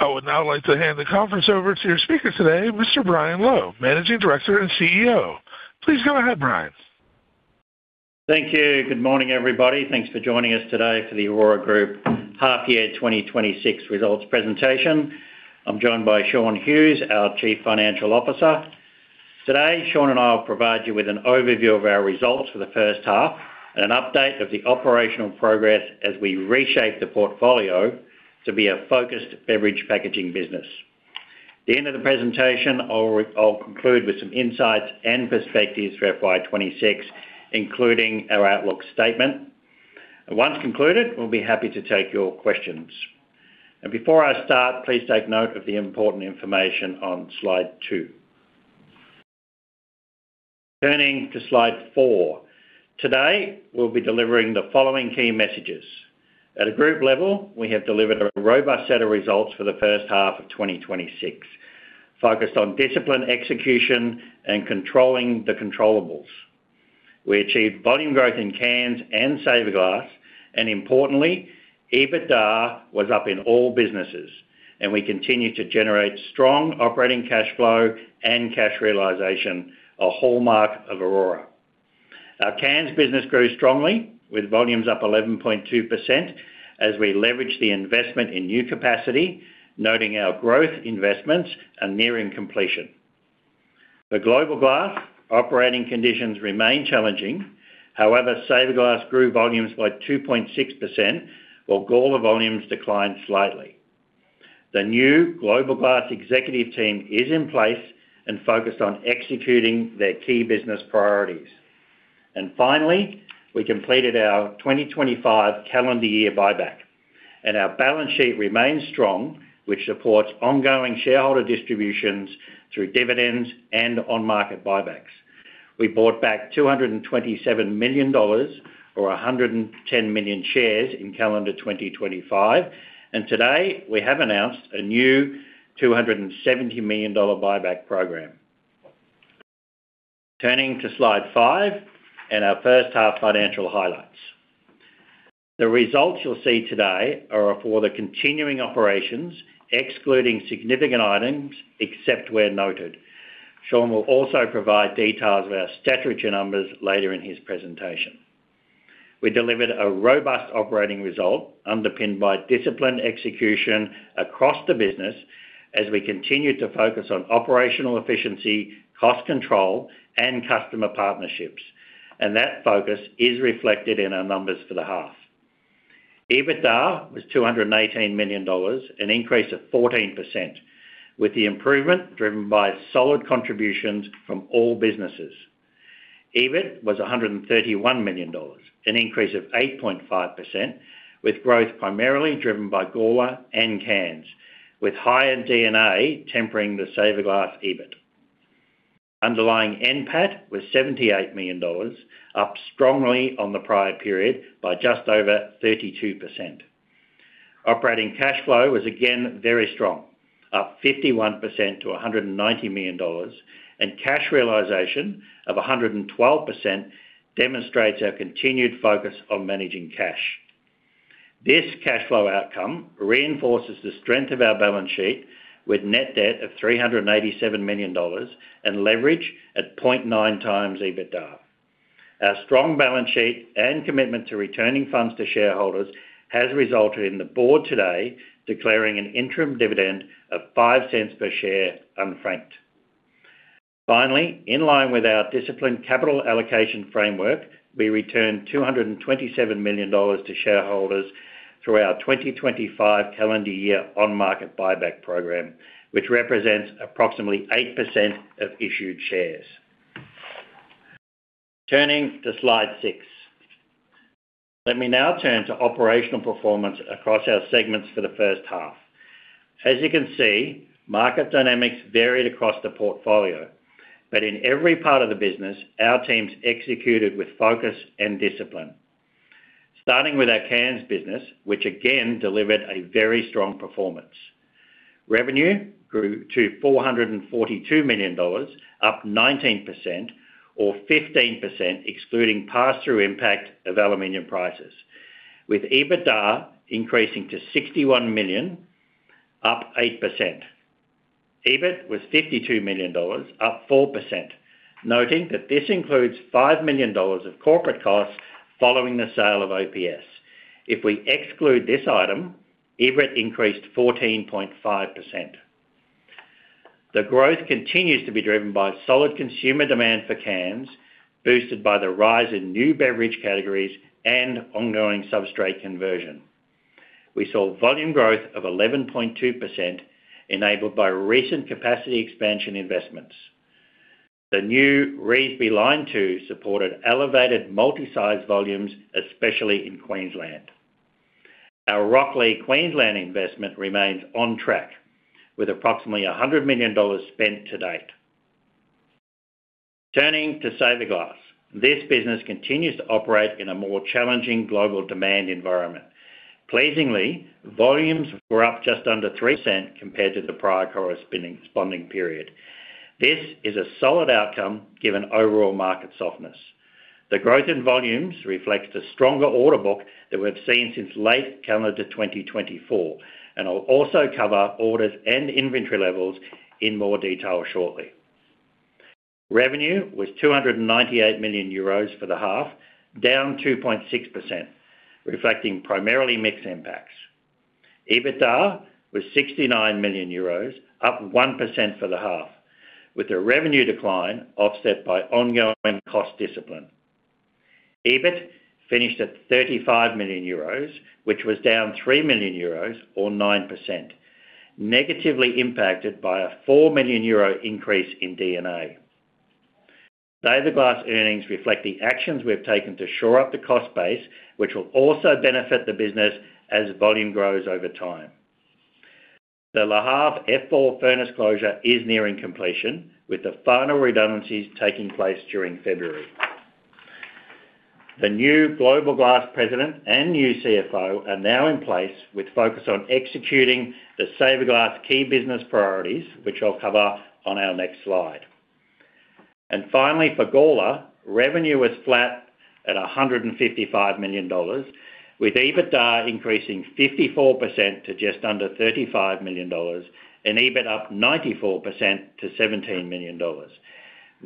I would now like to hand the conference over to your speaker today, Mr. Brian Lowe, Managing Director and CEO. Please go ahead, Brian. Thank you. Good morning, everybody. Thanks for joining us today for the Orora Group Half Year 2026 Results Presentation. I'm joined by Shaun Hughes, our Chief Financial Officer. Today, Shaun and I will provide you with an overview of our results for the first half and an update of the operational progress as we reshape the portfolio to be a focused beverage packaging business. At the end of the presentation, I'll conclude with some insights and perspectives for FY26, including our outlook statement. Once concluded, we'll be happy to take your questions. Before I start, please take note of the important information on slide two. Turning to slide four. Today, we'll be delivering the following key messages. At a group level, we have delivered a robust set of results for the first half of 2026, focused on discipline, execution, and controlling the controllables. We achieved volume growth in cans and Saverglass. And importantly, EBITDA was up in all businesses, and we continue to generate strong operating cash flow and cash realization, a hallmark of Orora. Our cans business grew strongly, with volumes up 11.2% as we leveraged the investment in new capacity, noting our growth investments are nearing completion. For Global Glass, operating conditions remain challenging. However, Saverglass grew volumes by 2.6% while Gawler volumes declined slightly. The new Global Glass executive team is in place and focused on executing their key business priorities. And finally, we completed our 2025 calendar year buyback, and our balance sheet remains strong, which supports ongoing shareholder distributions through dividends and on-market buybacks. We bought back 227 million dollars or 110 million shares in calendar 2025. And today, we have announced a new 270 million dollar buyback program. Turning to slide five and our first half financial highlights. The results you'll see today are for the continuing operations, excluding significant items except where noted. Shaun will also provide details of our statutory numbers later in his presentation. We delivered a robust operating result underpinned by disciplined execution across the business as we continue to focus on operational efficiency, cost control, and customer partnerships. That focus is reflected in our numbers for the half. EBITDA was 218 million dollars, an increase of 14%, with the improvement driven by solid contributions from all businesses. EBIT was 131 million dollars, an increase of 8.5%, with growth primarily driven by Gawler and cans, with higher D&A tempering the Saverglass EBITDA. Underlying NPAT was 78 million dollars, up strongly on the prior period by just over 32%. Operating cash flow was again very strong, up 51% to 190 million dollars, and cash realization of 112% demonstrates our continued focus on managing cash. This cash flow outcome reinforces the strength of our balance sheet, with net debt of 387 million dollars and leverage at 0.9x EBITDA. Our strong balance sheet and commitment to returning funds to shareholders has resulted in the board today declaring an interim dividend of 0.05 per share unfranked. Finally, in line with our disciplined capital allocation framework, we returned 227 million dollars to shareholders through our 2025 calendar year on-market buyback program, which represents approximately 8% of issued shares. Turning to slide 6. Let me now turn to operational performance across our segments for the first half. As you can see, market dynamics varied across the portfolio. But in every part of the business, our teams executed with focus and discipline. Starting with our cans business, which again delivered a very strong performance. Revenue grew to 442 million dollars, up 19% or 15% excluding pass-through impact of aluminum prices, with EBITDA increasing to 61 million, up 8%. EBIT was 52 million dollars, up 4%, noting that this includes 5 million dollars of corporate costs following the sale of OPS. If we exclude this item, EBITDA increased 14.5%. The growth continues to be driven by solid consumer demand for cans, boosted by the rise in new beverage categories and ongoing substrate conversion. We saw volume growth of 11.2% enabled by recent capacity expansion investments. The new Revesby Line 2 supported elevated multi-size volumes, especially in Queensland. Our Rocklea Queensland investment remains on track, with approximately 100 million dollars spent to date. Turning to Saverglass. This business continues to operate in a more challenging global demand environment. Pleasingly, volumes were up just under 3% compared to the prior corresponding period. This is a solid outcome given overall market softness. The growth in volumes reflects the stronger order book that we've seen since late calendar 2024. I'll also cover orders and inventory levels in more detail shortly. Revenue was 298 million euros for the half, down 2.6%, reflecting primarily mixed impacts. EBITDA was 69 million euros, up 1% for the half, with a revenue decline offset by ongoing cost discipline. EBIT finished at 35 million euros, which was down 3 million euros or 9%, negatively impacted by a 4 million euro increase in D&A. Saverglass earnings reflect the actions we've taken to shore up the cost base, which will also benefit the business as volume grows over time. The Le Havre F4 furnace closure is nearing completion, with the final redundancies taking place during February. The new Global Glass President and new CFO are now in place, with focus on executing the Saverglass key business priorities, which I'll cover on our next slide. And finally, for Gawler, revenue was flat at 155 million dollars, with EBITDA increasing 54% to just under 35 million dollars and EBIT up 94% to 17 million dollars.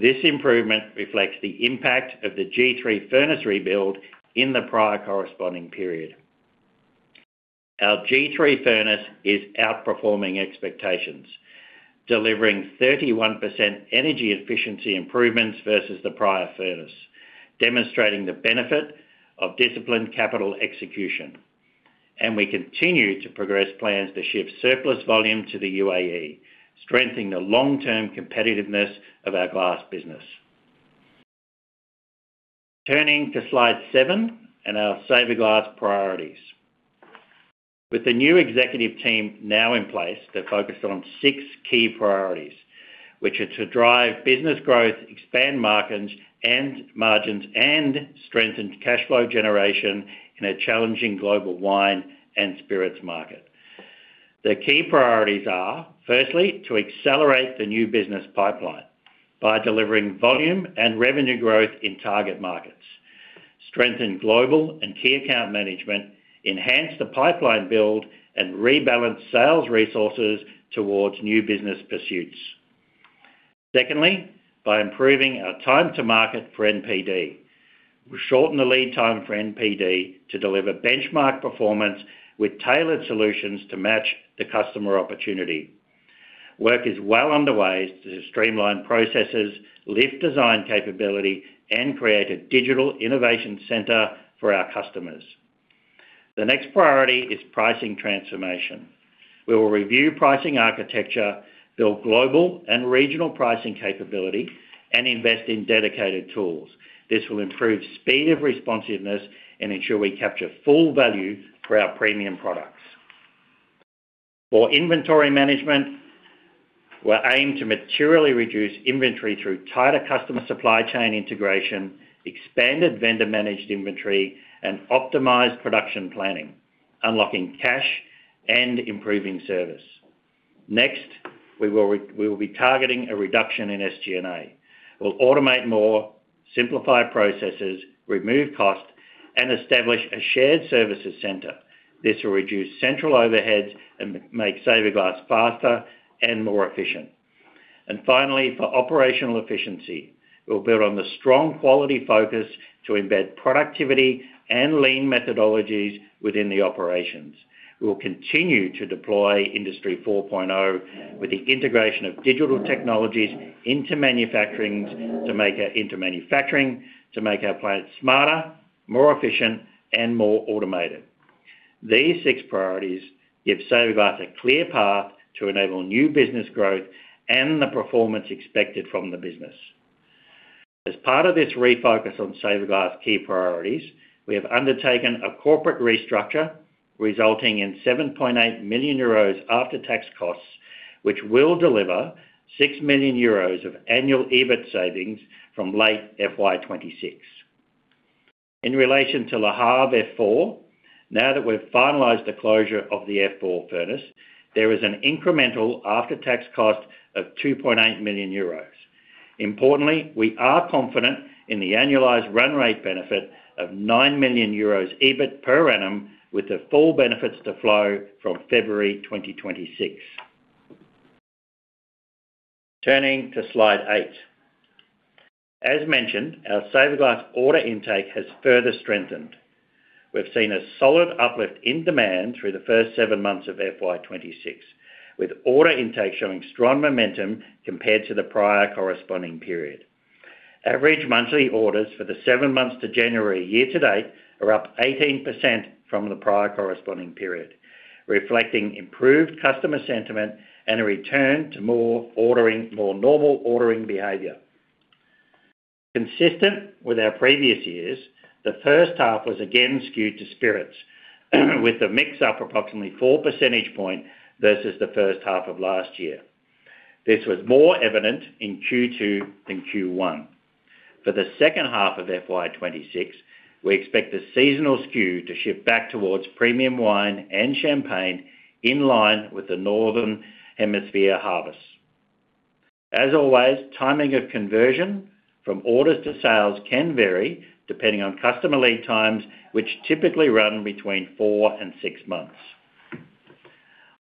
This improvement reflects the impact of the G3 furnace rebuild in the prior corresponding period. Our G3 furnace is outperforming expectations, delivering 31% energy efficiency improvements versus the prior furnace, demonstrating the benefit of disciplined capital execution. And we continue to progress plans to shift surplus volume to the UAE, strengthening the long-term competitiveness of our glass business. Turning to slide 7 and our Saverglass priorities. With the new executive team now in place, they're focused on six key priorities, which are to drive business growth, expand margins and strengthen cash flow generation in a challenging global wine and spirits market. The key priorities are, firstly, to accelerate the new business pipeline by delivering volume and revenue growth in target markets, strengthen global and key account management, enhance the pipeline build, and rebalance sales resources towards new business pursuits. Secondly, by improving our time to market for NPD. We'll shorten the lead time for NPD to deliver benchmark performance with tailored solutions to match the customer opportunity. Work is well underway to streamline processes, lift design capability, and create a digital innovation center for our customers. The next priority is pricing transformation. We will review pricing architecture, build global and regional pricing capability, and invest in dedicated tools. This will improve speed of responsiveness and ensure we capture full value for our premium products. For inventory management, we'll aim to materially reduce inventory through tighter customer supply chain integration, expanded vendor-managed inventory, and optimized production planning, unlocking cash and improving service. Next, we will be targeting a reduction in SG&A. We'll automate more, simplify processes, remove cost, and establish a shared services center. This will reduce central overheads and make Saverglass faster and more efficient. And finally, for operational efficiency, we'll build on the strong quality focus to embed productivity and lean methodologies within the operations. We'll continue to deploy Industry 4.0 with the integration of digital technologies into manufacturing to make our plants smarter, more efficient, and more automated. These six priorities give Saverglass a clear path to enable new business growth and the performance expected from the business. As part of this refocus on Saverglass key priorities, we have undertaken a corporate restructure, resulting in 7.8 million euros after-tax costs, which will deliver 6 million euros of annual EBITDA savings from late FY26. In relation to Le Havre F4, now that we've finalized the closure of the F4 furnace, there is an incremental after-tax cost of 2.8 million euros. Importantly, we are confident in the annualized run rate benefit of 9 million euros EBITDA per annum, with the full benefits to flow from February 2026. Turning to slide eight. As mentioned, our Saverglass order intake has further strengthened. We've seen a solid uplift in demand through the first seven months of FY26, with order intake showing strong momentum compared to the prior corresponding period. Average monthly orders for the seven months to January, year to date are up 18% from the prior corresponding period, reflecting improved customer sentiment and a return to more normal ordering behavior. Consistent with our previous years, the first half was again skewed to spirits, with the mix up approximately 4 percentage points versus the first half of last year. This was more evident in Q2 than Q1. For the second half of FY26, we expect the seasonal skew to shift back towards premium wine and champagne in line with the northern hemisphere harvest. As always, timing of conversion from orders to sales can vary depending on customer lead times, which typically run between four and six months.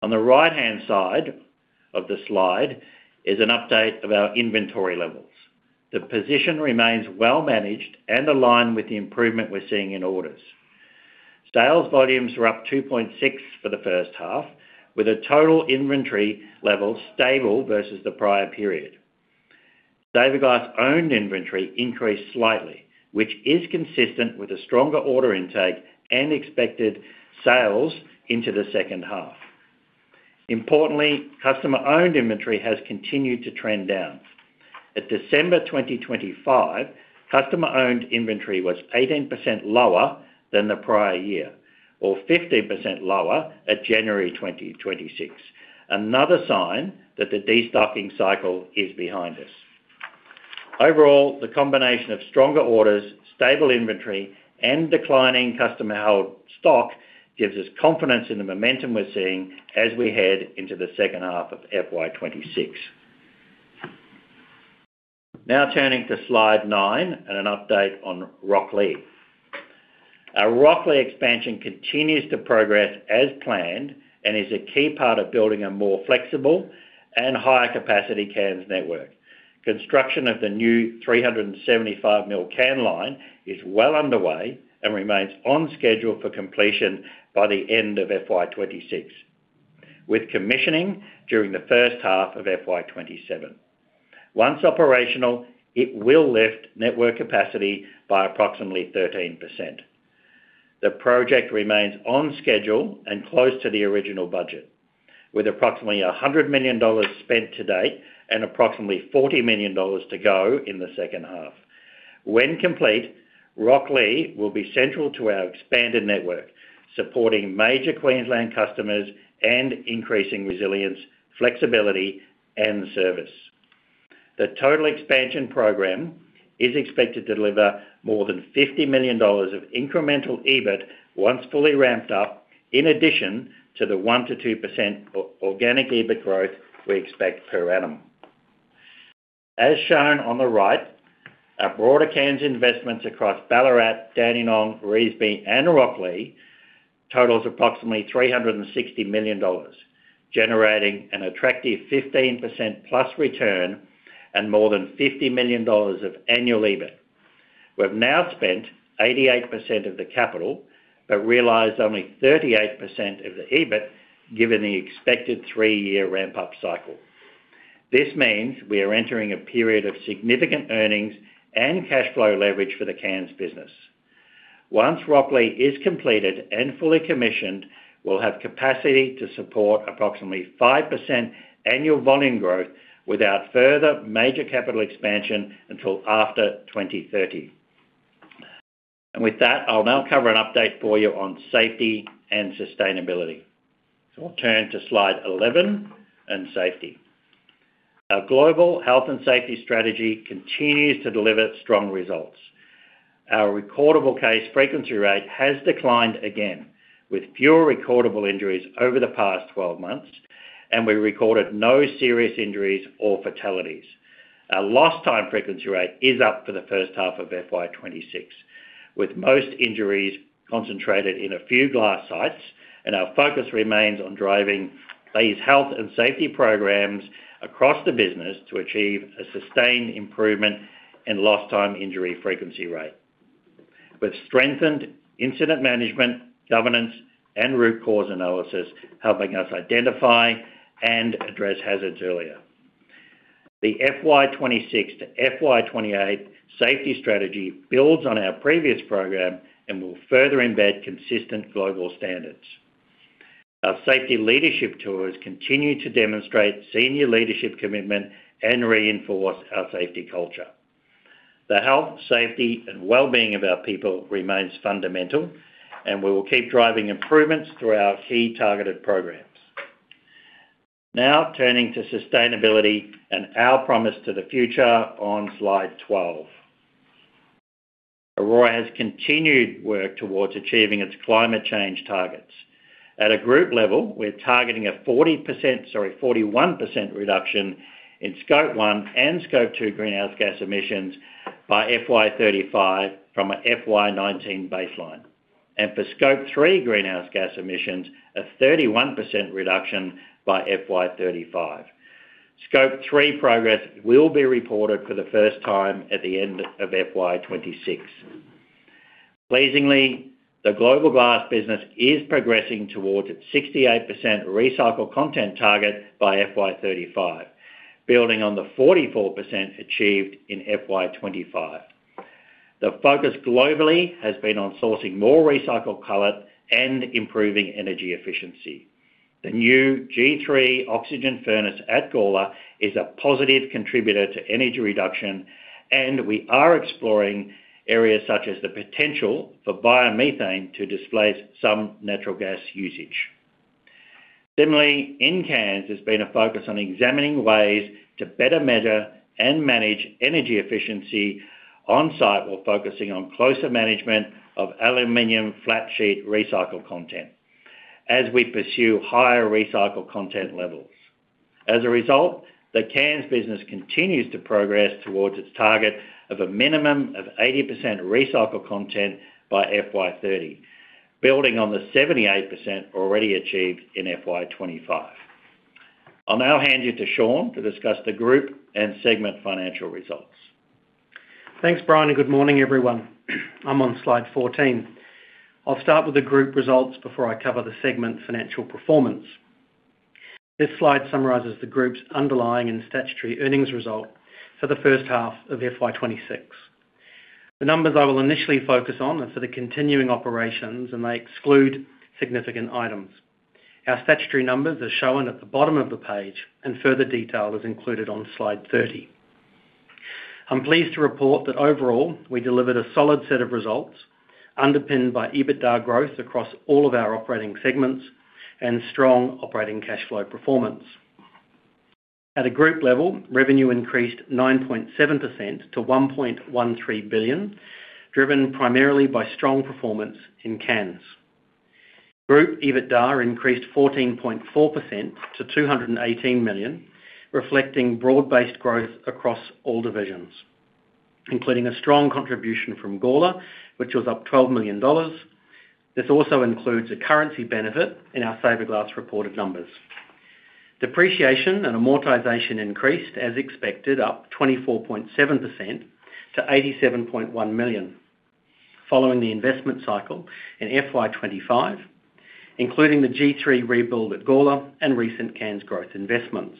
On the right-hand side of the slide is an update of our inventory levels. The position remains well managed and aligned with the improvement we're seeing in orders. Sales volumes are up 2.6% for the first half, with a total inventory level stable versus the prior period. Saverglass owned inventory increased slightly, which is consistent with a stronger order intake and expected sales into the second half. Importantly, customer owned inventory has continued to trend down. At December 2025, customer-owned inventory was 18% lower than the prior year or 15% lower at January 2026, another sign that the destocking cycle is behind us. Overall, the combination of stronger orders, stable inventory, and declining customer-held stock gives us confidence in the momentum we're seeing as we head into the second half of FY26. Now turning to slide 9 and an update on Rocklea. Our Rocklea expansion continues to progress as planned and is a key part of building a more flexible and higher capacity cans network. Construction of the new 375 ml can line is well underway and remains on schedule for completion by the end of FY26, with commissioning during the first half of FY27. Once operational, it will lift network capacity by approximately 13%. The project remains on schedule and close to the original budget, with approximately 100 million dollars spent to date and approximately 40 million dollars to go in the second half. When complete, Rocklea will be central to our expanded network, supporting major Queensland customers and increasing resilience, flexibility, and service. The total expansion program is expected to deliver more than 50 million dollars of incremental EBITDA once fully ramped up, in addition to the 1%-2% organic EBITDA growth we expect per annum. As shown on the right, our broader cans investments across Ballarat, Dandenong, Revesby, and Rocklea total approximately 360 million dollars, generating an attractive 15%+ return and more than 50 million dollars of annual EBITDA. We've now spent 88% of the capital but realised only 38% of the EBITDA given the expected three-year ramp-up cycle. This means we are entering a period of significant earnings and cash flow leverage for the cans business. Once Rocklea is completed and fully commissioned, we'll have capacity to support approximately 5% annual volume growth without further major capital expansion until after 2030. With that, I'll now cover an update for you on safety and sustainability. I'll turn to slide 11 and safety. Our global health and safety strategy continues to deliver strong results. Our recordable case frequency rate has declined again, with fewer recordable injuries over the past 12 months, and we recorded no serious injuries or fatalities. Our lost time frequency rate is up for the first half of FY26, with most injuries concentrated in a few glass sites. Our focus remains on driving these health and safety programs across the business to achieve a sustained improvement in lost time injury frequency rate, with strengthened incident management, governance, and root cause analysis helping us identify and address hazards earlier. The FY26 to FY28 safety strategy builds on our previous program and will further embed consistent global standards. Our safety leadership tours continue to demonstrate senior leadership commitment and reinforce our safety culture. The health, safety, and wellbeing of our people remains fundamental, and we will keep driving improvements through our key targeted programs. Now turning to sustainability and our promise to the future on slide 12. Orora has continued work towards achieving its climate change targets. At a group level, we're targeting a 40% reduction in Scope 1 and Scope 2 greenhouse gas emissions by FY35 from an FY19 baseline. For Scope 3 greenhouse gas emissions, a 31% reduction by FY35. Scope 3 progress will be reported for the first time at the end of FY26. Pleasingly, the global glass business is progressing towards its 68% recycled content target by FY35, building on the 44% achieved in FY25. The focus globally has been on sourcing more recycled color and improving energy efficiency. The new G3 oxygen furnace at Gawler is a positive contributor to energy reduction, and we are exploring areas such as the potential for biomethane to displace some natural gas usage. Similarly, in cans, there's been a focus on examining ways to better measure and manage energy efficiency on-site while focusing on closer management of aluminum flat sheet recycled content as we pursue higher recycled content levels. As a result, the cans business continues to progress towards its target of a minimum of 80% recycled content by FY30, building on the 78% already achieved in FY25. I'll now hand you to Shaun to discuss the group and segment financial results. Thanks, Brian, and good morning, everyone. I'm on slide 14. I'll start with the group results before I cover the segment financial performance. This slide summarizes the group's underlying and statutory earnings result for the first half of FY26. The numbers I will initially focus on are for the continuing operations, and they exclude significant items. Our statutory numbers are shown at the bottom of the page, and further detail is included on slide 30. I'm pleased to report that overall, we delivered a solid set of results underpinned by EBITDA growth across all of our operating segments and strong operating cash flow performance. At a group level, revenue increased 9.7% to 1.13 billion, driven primarily by strong performance in cans. Group EBITDA increased 14.4% to 218 million, reflecting broad-based growth across all divisions, including a strong contribution from Gawler, which was up 12 million dollars. This also includes a currency benefit in our Saverglass reported numbers. Depreciation and amortization increased, as expected, up 24.7% to 87.1 million following the investment cycle in FY25, including the G3 rebuild at Gawler and recent cans growth investments.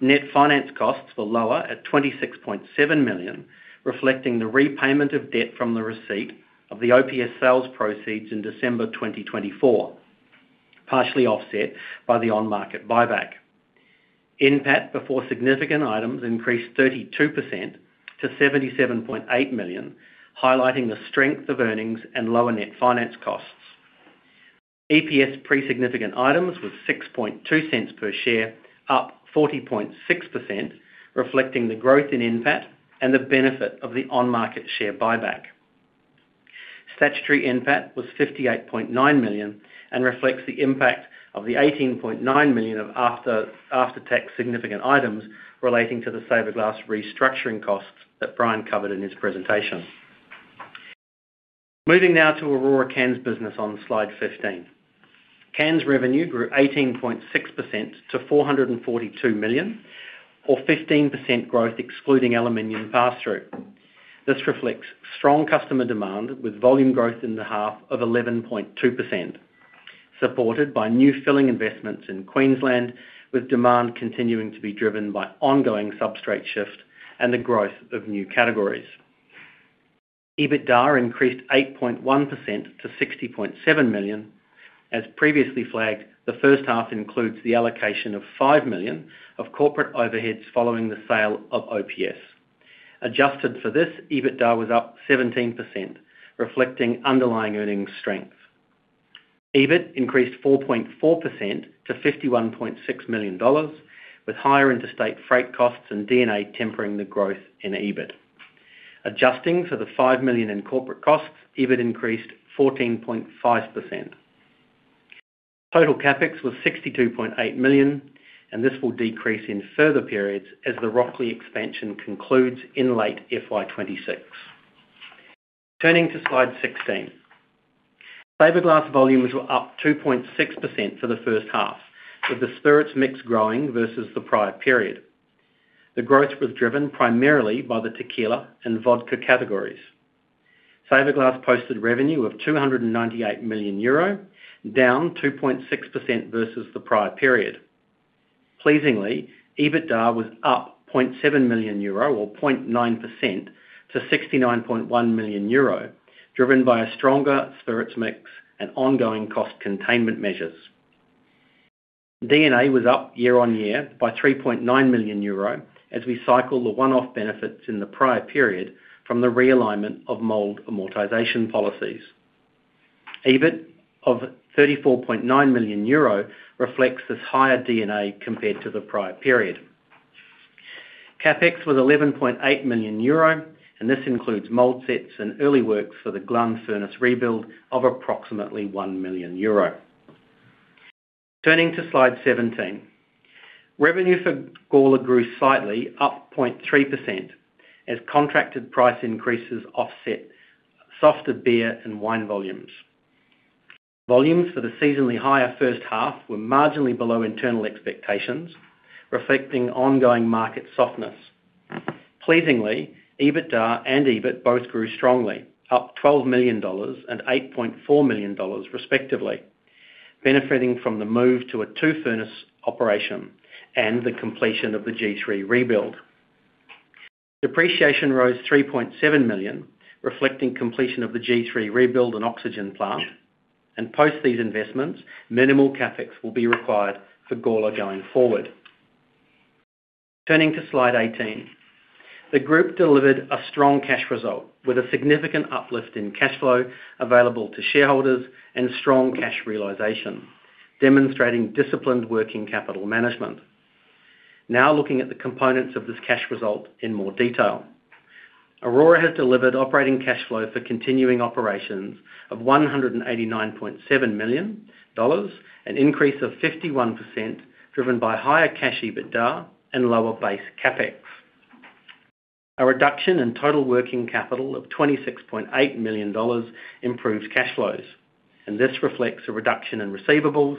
Net finance costs were lower at 26.7 million, reflecting the repayment of debt from the receipt of the OPS sales proceeds in December 2024, partially offset by the on-market buyback. NPAT before significant items increased 32% to 77.8 million, highlighting the strength of earnings and lower net finance costs. EPS pre-significant items was 0.062 per share, up 40.6%, reflecting the growth in NPAT and the benefit of the on-market share buyback. Statutory NPAT was 58.9 million and reflects the impact of the 18.9 million of after-tax significant items relating to the Saverglass restructuring costs that Brian covered in his presentation. Moving now to Orora cans business on slide 15. Cans revenue grew 18.6% to 442 million, or 15% growth excluding aluminum pass-through. This reflects strong customer demand with volume growth in the half of 11.2%, supported by new filling investments in Queensland, with demand continuing to be driven by ongoing substrate shift and the growth of new categories. EBITDA increased 8.1% to 60.7 million. As previously flagged, the first half includes the allocation of 5 million of corporate overheads following the sale of OPS. Adjusted for this, EBITDA was up 17%, reflecting underlying earnings strength. EBITDA increased 4.4% to 51.6 million dollars, with higher interstate freight costs and D&A tempering the growth in EBITDA. Adjusting for the 5 million in corporate costs, EBITDA increased 14.5%. Total CapEx was 62.8 million, and this will decrease in further periods as the Rocklea expansion concludes in late FY26. Turning to slide 16. Saverglass volumes were up 2.6% for the first half, with the spirits mix growing versus the prior period. The growth was driven primarily by the tequila and vodka categories. Saverglass posted revenue of 298 million euro, down 2.6% versus the prior period. Pleasingly, EBITDA was up 0.7 million euro, or 0.9%, to 69.1 million euro, driven by a stronger spirits mix and ongoing cost containment measures. D&A was up year-on-year by 3.9 million euro as we cycle the one-off benefits in the prior period from the realignment of mold amortization policies. EBITDA of 34.9 million euro reflects this higher D&A compared to the prior period. CapEx was 11.8 million euro, and this includes mold sets and early works for the Ghlin furnace rebuild of approximately 1 million euro. Turning to slide 17. Revenue for Gawler grew slightly, up 0.3%, as contracted price increases offset softer beer and wine volumes. Volumes for the seasonally higher first half were marginally below internal expectations, reflecting ongoing market softness. Pleasingly, EBITDA and EBITDA both grew strongly, up 12 million dollars and 8.4 million dollars, respectively, benefiting from the move to a two-furnace operation and the completion of the G3 rebuild. Depreciation rose 3.7 million, reflecting completion of the G3 rebuild and oxygen plant. Post these investments, minimal CapEx will be required for Gawler going forward. Turning to slide 18. The group delivered a strong cash result with a significant uplift in cash flow available to shareholders and strong cash realization, demonstrating disciplined working capital management. Now looking at the components of this cash result in more detail. Orora has delivered operating cash flow for continuing operations of 189.7 million dollars, an increase of 51% driven by higher cash EBITDA and lower base CapEx. A reduction in total working capital of 26.8 million dollars improved cash flows, and this reflects a reduction in receivables,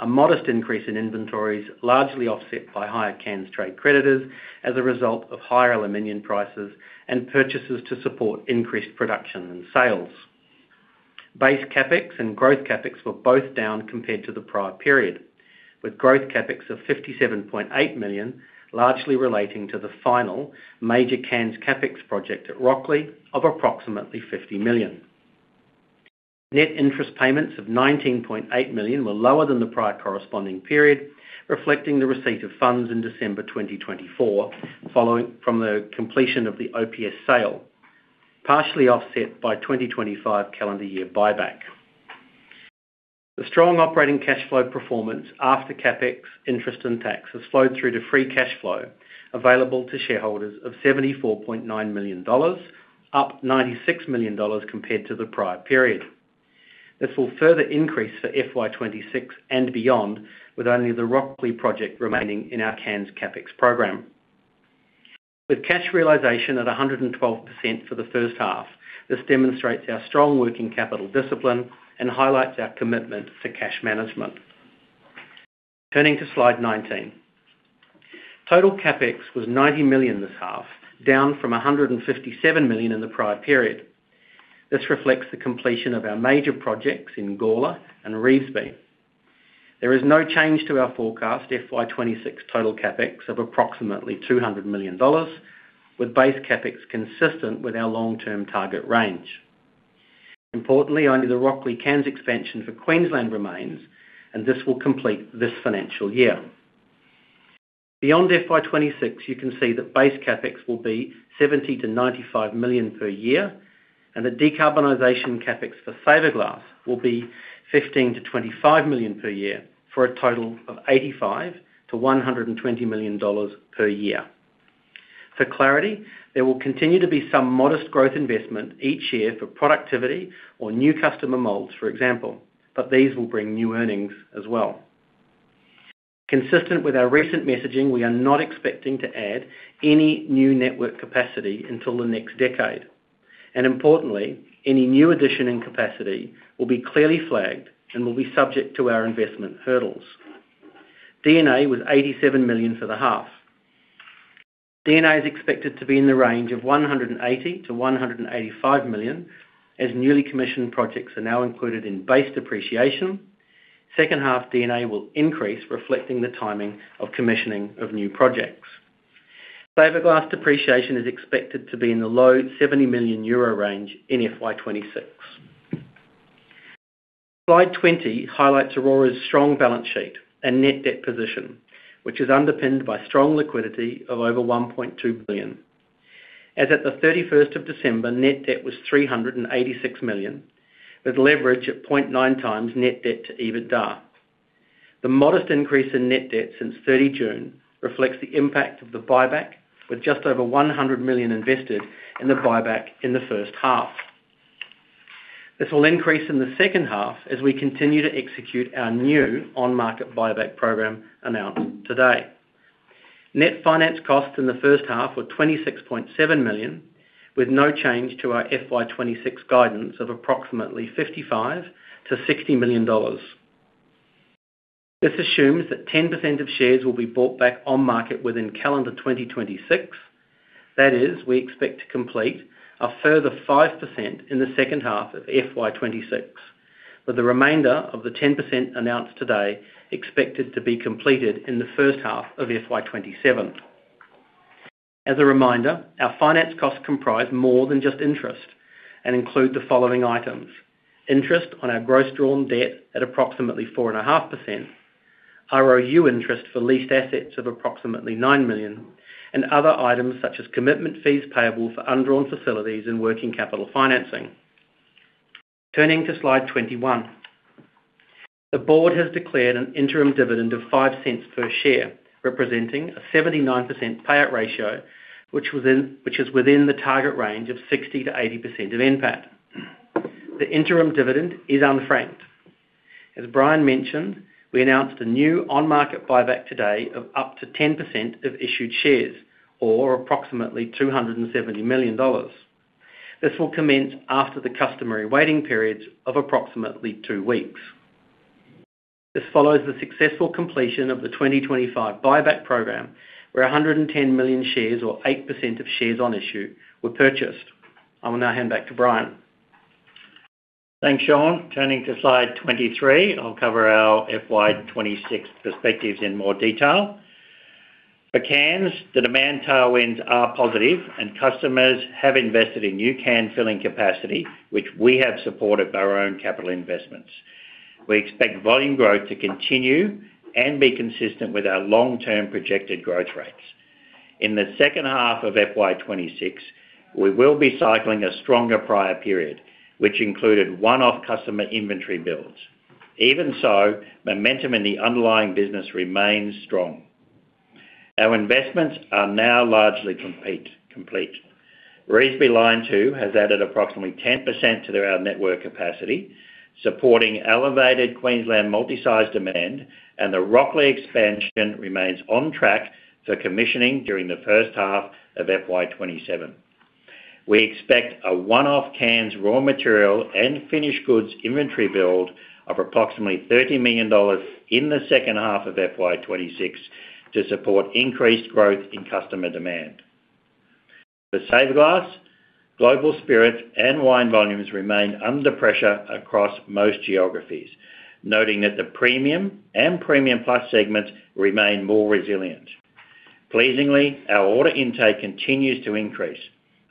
a modest increase in inventories largely offset by higher cans trade creditors as a result of higher aluminum prices and purchases to support increased production and sales. Base CapEx and growth CapEx were both down compared to the prior period, with growth CapEx of 57.8 million, largely relating to the final major cans CapEx project at Rocklea of approximately 50 million. Net interest payments of 19.8 million were lower than the prior corresponding period, reflecting the receipt of funds in December 2024 from the completion of the OPS sale, partially offset by 2025 calendar year buyback. The strong operating cash flow performance after CapEx, interest, and tax has flowed through to free cash flow available to shareholders of 74.9 million dollars, up 96 million dollars compared to the prior period. This will further increase for FY26 and beyond, with only the Rocklea project remaining in our cans CapEx program. With cash realisation at 112% for the first half, this demonstrates our strong working capital discipline and highlights our commitment to cash management. Turning to slide 19. Total CapEx was 90 million this half, down from 157 million in the prior period. This reflects the completion of our major projects in Gawler and Revesby. There is no change to our forecast FY26 total CapEx of approximately 200 million dollars, with base CapEx consistent with our long-term target range. Importantly, only the Rocklea cans expansion for Queensland remains, and this will complete this financial year. Beyond FY26, you can see that base CapEx will be 70-95 million per year, and the decarbonization CapEx for Saverglass will be 15-25 million per year for a total of 85-120 million dollars per year. For clarity, there will continue to be some modest growth investment each year for productivity or new customer moulds, for example, but these will bring new earnings as well. Consistent with our recent messaging, we are not expecting to add any new network capacity until the next decade. Importantly, any new addition in capacity will be clearly flagged and will be subject to our investment hurdles. D&A was 87 million for the half. D&A is expected to be in the range of 180 million-185 million as newly commissioned projects are now included in base depreciation. Second half D&A will increase, reflecting the timing of commissioning of new projects. Saverglass depreciation is expected to be in the low 70 million euro range in FY26. Slide 20 highlights Orora's strong balance sheet and net debt position, which is underpinned by strong liquidity of over 1.2 billion. As at the 31st of December, net debt was 386 million, with leverage at 0.9x net debt to EBITDA. The modest increase in net debt since 30 June reflects the impact of the buyback, with just over 100 million invested in the buyback in the first half. This will increase in the second half as we continue to execute our new on-market buyback program announced today. Net finance costs in the first half were 26.7 million, with no change to our FY26 guidance of approximately 55 million–60 million dollars. This assumes that 10% of shares will be bought back on market within calendar 2026. That is, we expect to complete a further 5% in the second half of FY26, with the remainder of the 10% announced today expected to be completed in the first half of FY27. As a reminder, our finance costs comprise more than just interest and include the following items: interest on our gross drawn debt at approximately 4.5%, ROU interest for leased assets of approximately 9 million, and other items such as commitment fees payable for undrawn facilities and working capital financing. Turning to slide 21. The board has declared an interim dividend of 0.05 per share, representing a 79% payout ratio, which is within the target range of 60%-80% of NPAT. The interim dividend is unfranked. As Brian mentioned, we announced a new on-market buyback today of up to 10% of issued shares, or approximately 270 million dollars. This will commence after the customary waiting periods of approximately two weeks. This follows the successful completion of the 2025 buyback program, where 110 million shares, or 8% of shares on issue, were purchased. I will now hand back to Brian. Thanks, Shaun. Turning to slide 23. I'll cover our FY26 perspectives in more detail. For cans, the demand tailwinds are positive, and customers have invested in new can filling capacity, which we have supported by our own capital investments. We expect volume growth to continue and be consistent with our long-term projected growth rates. In the second half of FY26, we will be cycling a stronger prior period, which included one-off customer inventory builds. Even so, momentum in the underlying business remains strong. Our investments are now largely complete. Revesby Line 2 has added approximately 10% to our network capacity, supporting elevated Queensland multi-size demand, and the Rocklea expansion remains on track for commissioning during the first half of FY27. We expect a one-off cans raw material and finished goods inventory build of approximately 30 million dollars in the second half of FY26 to support increased growth in customer demand. For Saverglass, global spirits and wine volumes remain under pressure across most geographies, noting that the premium and premium plus segments remain more resilient. Pleasingly, our order intake continues to increase,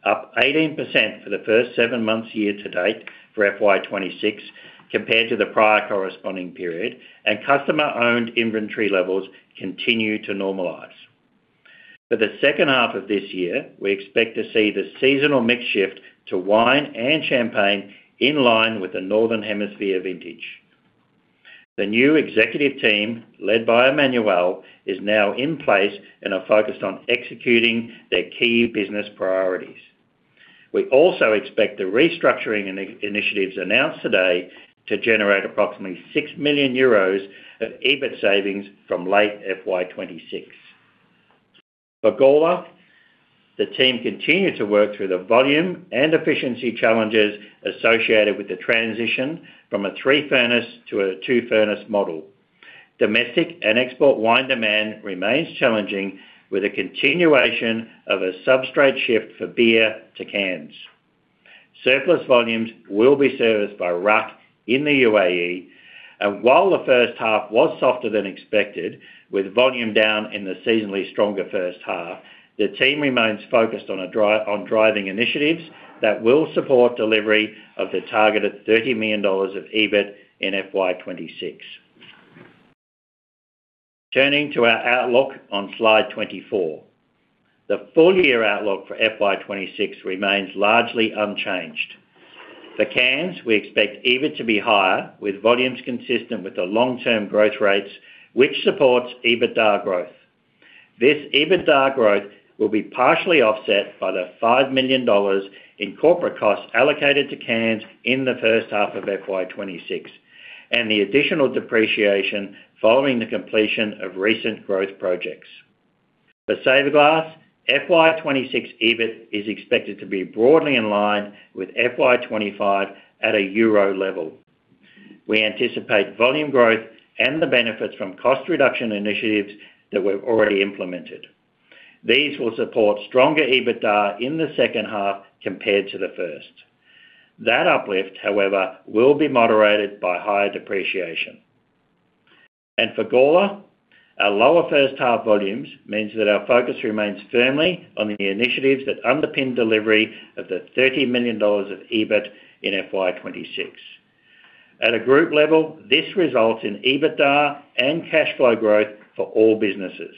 up 18% for the first seven months year to date for FY26 compared to the prior corresponding period, and customer-owned inventory levels continue to normalize. For the second half of this year, we expect to see the seasonal mix shift to wine and champagne in line with the northern hemisphere vintage. The new executive team led by Emmanuel is now in place and are focused on executing their key business priorities. We also expect the restructuring initiatives announced today to generate approximately 6 million euros of EBITDA savings from late FY26. For Gawler, the team continue to work through the volume and efficiency challenges associated with the transition from a three-furnace to a two-furnace model. Domestic and export wine demand remains challenging, with a continuation of a substrate shift for beer to cans. Surplus volumes will be serviced by RAK in the UAE. While the first half was softer than expected, with volume down in the seasonally stronger first half, the team remains focused on driving initiatives that will support delivery of the targeted 30 million dollars of EBITDA in FY26. Turning to our outlook on slide 24. The full year outlook for FY26 remains largely unchanged. For cans, we expect EBITDA to be higher, with volumes consistent with the long-term growth rates, which supports EBITDA growth. This EBITDA growth will be partially offset by the 5 million dollars in corporate costs allocated to cans in the first half of FY26 and the additional depreciation following the completion of recent growth projects. For Saverglass, FY26 EBITDA is expected to be broadly in line with FY25 at a euro level. We anticipate volume growth and the benefits from cost reduction initiatives that we've already implemented. These will support stronger EBITDA in the second half compared to the first. That uplift, however, will be moderated by higher depreciation. For Gawler, our lower first half volumes means that our focus remains firmly on the initiatives that underpin delivery of the 30 million dollars of EBITDA in FY26. At a group level, this results in EBITDA and cash flow growth for all businesses.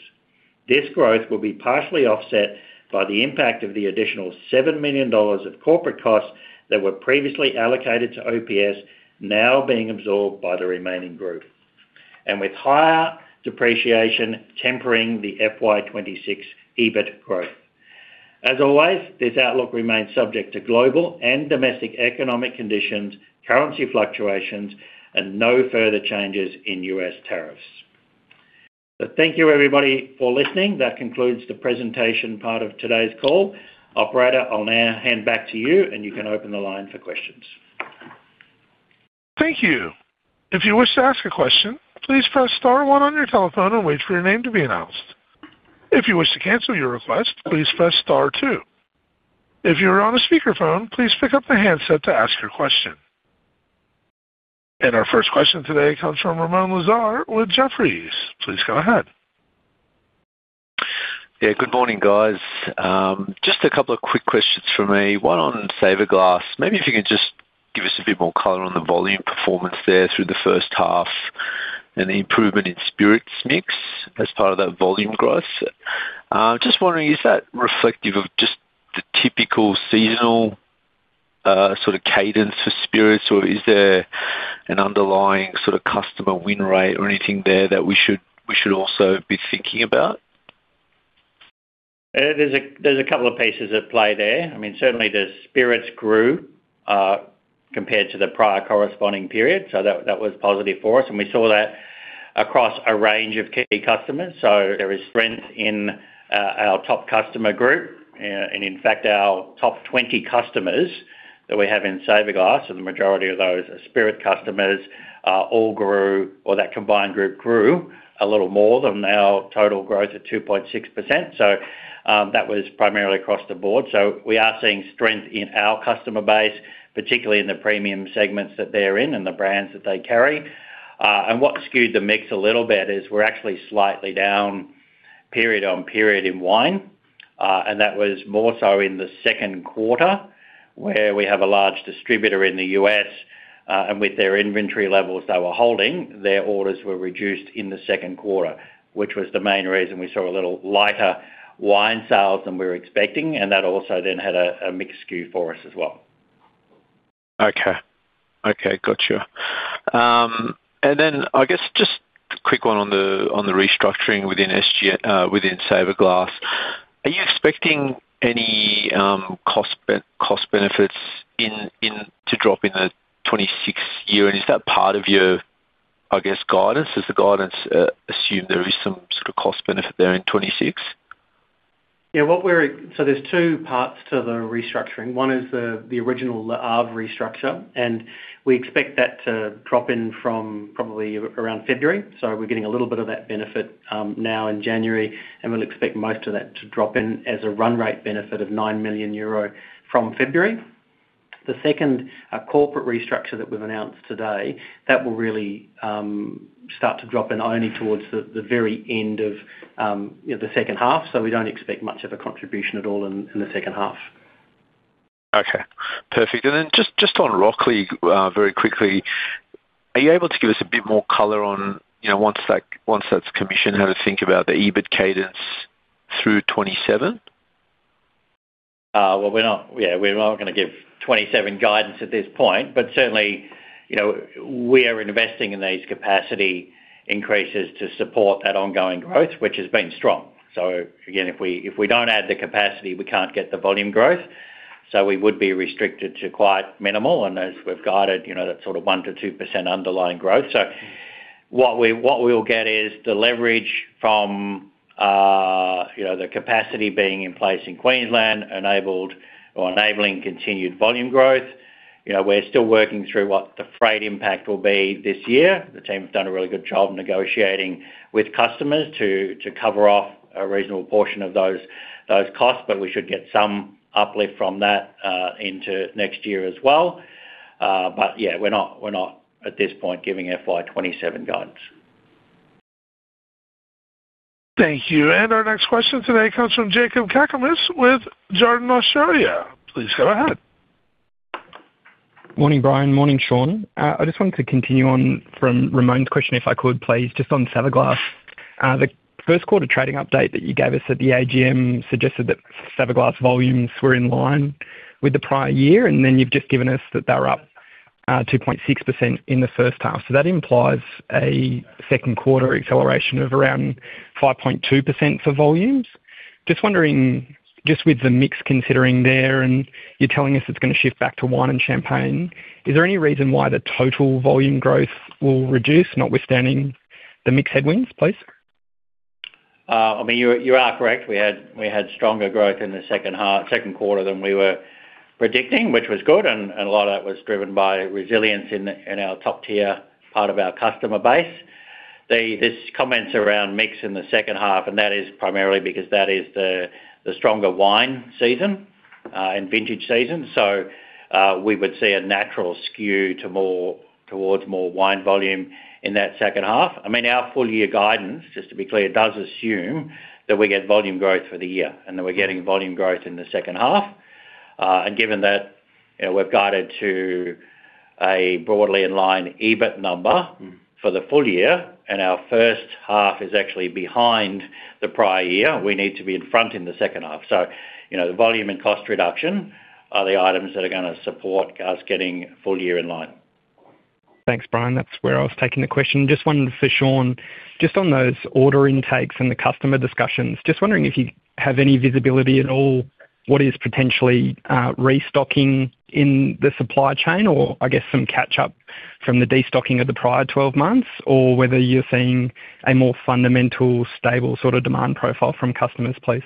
This growth will be partially offset by the impact of the additional 7 million dollars of corporate costs that were previously allocated to OPS, now being absorbed by the remaining group, and with higher depreciation tempering the FY26 EBITDA growth. As always, this outlook remains subject to global and domestic economic conditions, currency fluctuations, and no further changes in U.S. tariffs. Thank you, everybody, for listening. That concludes the presentation part of today's call. Operator, I'll now hand back to you, and you can open the line for questions. Thank you. If you wish to ask a question, please press star one on your telephone and wait for your name to be announced. If you wish to cancel your request, please press star two. If you are on a speakerphone, please pick up the handset to ask your question. Our first question today comes from Ramoun Lazar with Jefferies. Please go ahead. Yeah. Good morning, guys. Just a couple of quick questions for me. One on Saverglass. Maybe if you could just give us a bit more color on the volume performance there through the first half and the improvement in spirits mix as part of that volume growth. Just wondering, is that reflective of just the typical seasonal sort of cadence for spirits, or is there an underlying sort of customer win rate or anything there that we should also be thinking about? There's a couple of pieces at play there. I mean, certainly, the spirits grew compared to the prior corresponding period, so that was positive for us. And we saw that across a range of key customers. So there is strength in our top customer group. And in fact, our top 20 customers that we have in Saverglass, and the majority of those are spirit customers, all grew, or that combined group grew a little more than our total growth at 2.6%. So that was primarily across the board. So we are seeing strength in our customer base, particularly in the premium segments that they're in and the brands that they carry. And what skewed the mix a little bit is we're actually slightly down period on period in wine. And that was more so in the second quarter, where we have a large distributor in the US. With their inventory levels they were holding, their orders were reduced in the second quarter, which was the main reason we saw a little lighter wine sales than we were expecting. That also then had a mix skew for us as well. Okay. Okay. Gotcha. And then, I guess, just a quick one on the restructuring within Saverglass. Are you expecting any cost benefits to drop in the 2026 year? And is that part of your, I guess, guidance? Does the guidance assume there is some sort of cost benefit there in 2026? Yeah. So there's two parts to the restructuring. One is the original Le Havre restructure, and we expect that to drop in from probably around February. So we're getting a little bit of that benefit now in January, and we'll expect most of that to drop in as a run-rate benefit of 9 million euro from February. The second corporate restructure that we've announced today, that will really start to drop in only towards the very end of the second half. So we don't expect much of a contribution at all in the second half. Okay. Perfect. And then just on Rocklea, very quickly, are you able to give us a bit more color on, once that's commissioned, how to think about the EBITDA cadence through 2027? Well, yeah. We're not going to give 2027 guidance at this point. But certainly, we are investing in these capacity increases to support that ongoing growth, which has been strong. So again, if we don't add the capacity, we can't get the volume growth. So we would be restricted to quite minimal. And as we've guided, that's sort of 1%-2% underlying growth. So what we'll get is the leverage from the capacity being in place in Queensland or enabling continued volume growth. We're still working through what the freight impact will be this year. The team have done a really good job negotiating with customers to cover off a reasonable portion of those costs, but we should get some uplift from that into next year as well. But yeah, we're not, at this point, giving FY 2027 guidance. Thank you. Our next question today comes from Jakob Cakarnis with Jarden, Australia. Please go ahead. Morning, Brian. Morning, Shaun. I just wanted to continue on from Ramon's question, if I could, please, just on Saverglass. The first quarter trading update that you gave us at the AGM suggested that Saverglass volumes were in line with the prior year, and then you've just given us that they're up 2.6% in the first half. So that implies a second quarter acceleration of around 5.2% for volumes. Just wondering, just with the mix considering there and you're telling us it's going to shift back to wine and champagne, is there any reason why the total volume growth will reduce, notwithstanding the mix headwinds, please? I mean, you are correct. We had stronger growth in the second quarter than we were predicting, which was good. A lot of that was driven by resilience in our top-tier part of our customer base. This comment's around mix in the second half, and that is primarily because that is the stronger wine season and vintage season. So we would see a natural skew towards more wine volume in that second half. I mean, our full year guidance, just to be clear, does assume that we get volume growth for the year and that we're getting volume growth in the second half. Given that we've guided to a broadly in line EBITDA number for the full year and our first half is actually behind the prior year, we need to be in front in the second half. So the volume and cost reduction are the items that are going to support us getting full year in line. Thanks, Brian. That's where I was taking the question. Just wondering, for Shaun, just on those order intakes and the customer discussions, just wondering if you have any visibility at all what is potentially restocking in the supply chain, or I guess some catch-up from the destocking of the prior 12 months, or whether you're seeing a more fundamental, stable sort of demand profile from customers, please?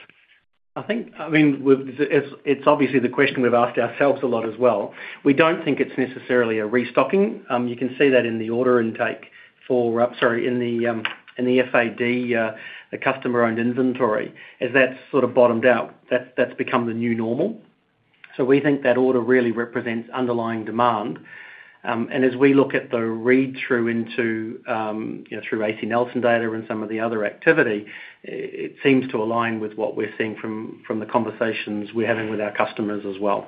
I mean, it's obviously the question we've asked ourselves a lot as well. We don't think it's necessarily a restocking. You can see that in the order intake for sorry, in the data, the customer-owned inventory, as that's sort of bottomed out, that's become the new normal. So we think that order really represents underlying demand. And as we look at the read-through through AC Nielsen data and some of the other activity, it seems to align with what we're seeing from the conversations we're having with our customers as well.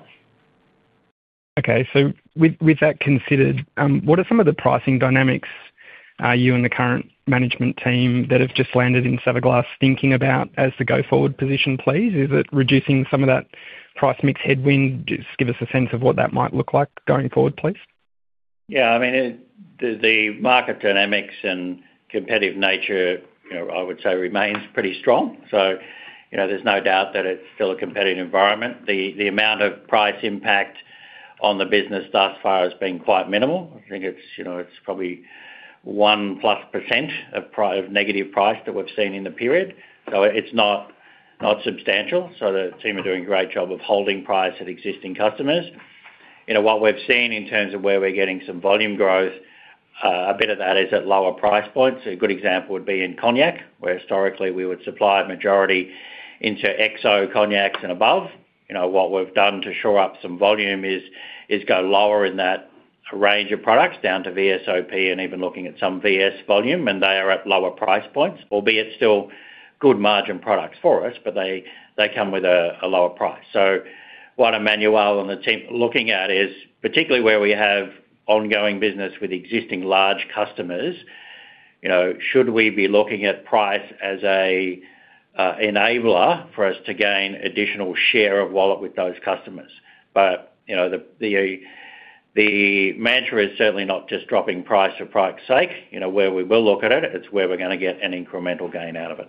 Okay. So with that considered, what are some of the pricing dynamics you and the current management team that have just landed in Saverglass thinking about as the go-forward position, please? Is it reducing some of that price mix headwind? Just give us a sense of what that might look like going forward, please. Yeah. I mean, the market dynamics and competitive nature, I would say, remains pretty strong. So there's no doubt that it's still a competitive environment. The amount of price impact on the business thus far has been quite minimal. I think it's probably 1%+ of negative price that we've seen in the period. So it's not substantial. So the team are doing a great job of holding price at existing customers. What we've seen in terms of where we're getting some volume growth, a bit of that is at lower price points. A good example would be in cognac, where historically, we would supply a majority into XO cognacs and above. What we've done to shore up some volume is go lower in that range of products down to VSOP and even looking at some VS volume, and they are at lower price points, albeit still good margin products for us, but they come with a lower price. So what Emmanuel and the team are looking at is, particularly where we have ongoing business with existing large customers, should we be looking at price as an enabler for us to gain additional share of wallet with those customers? But the mantra is certainly not just dropping price for price's sake. Where we will look at it, it's where we're going to get an incremental gain out of it.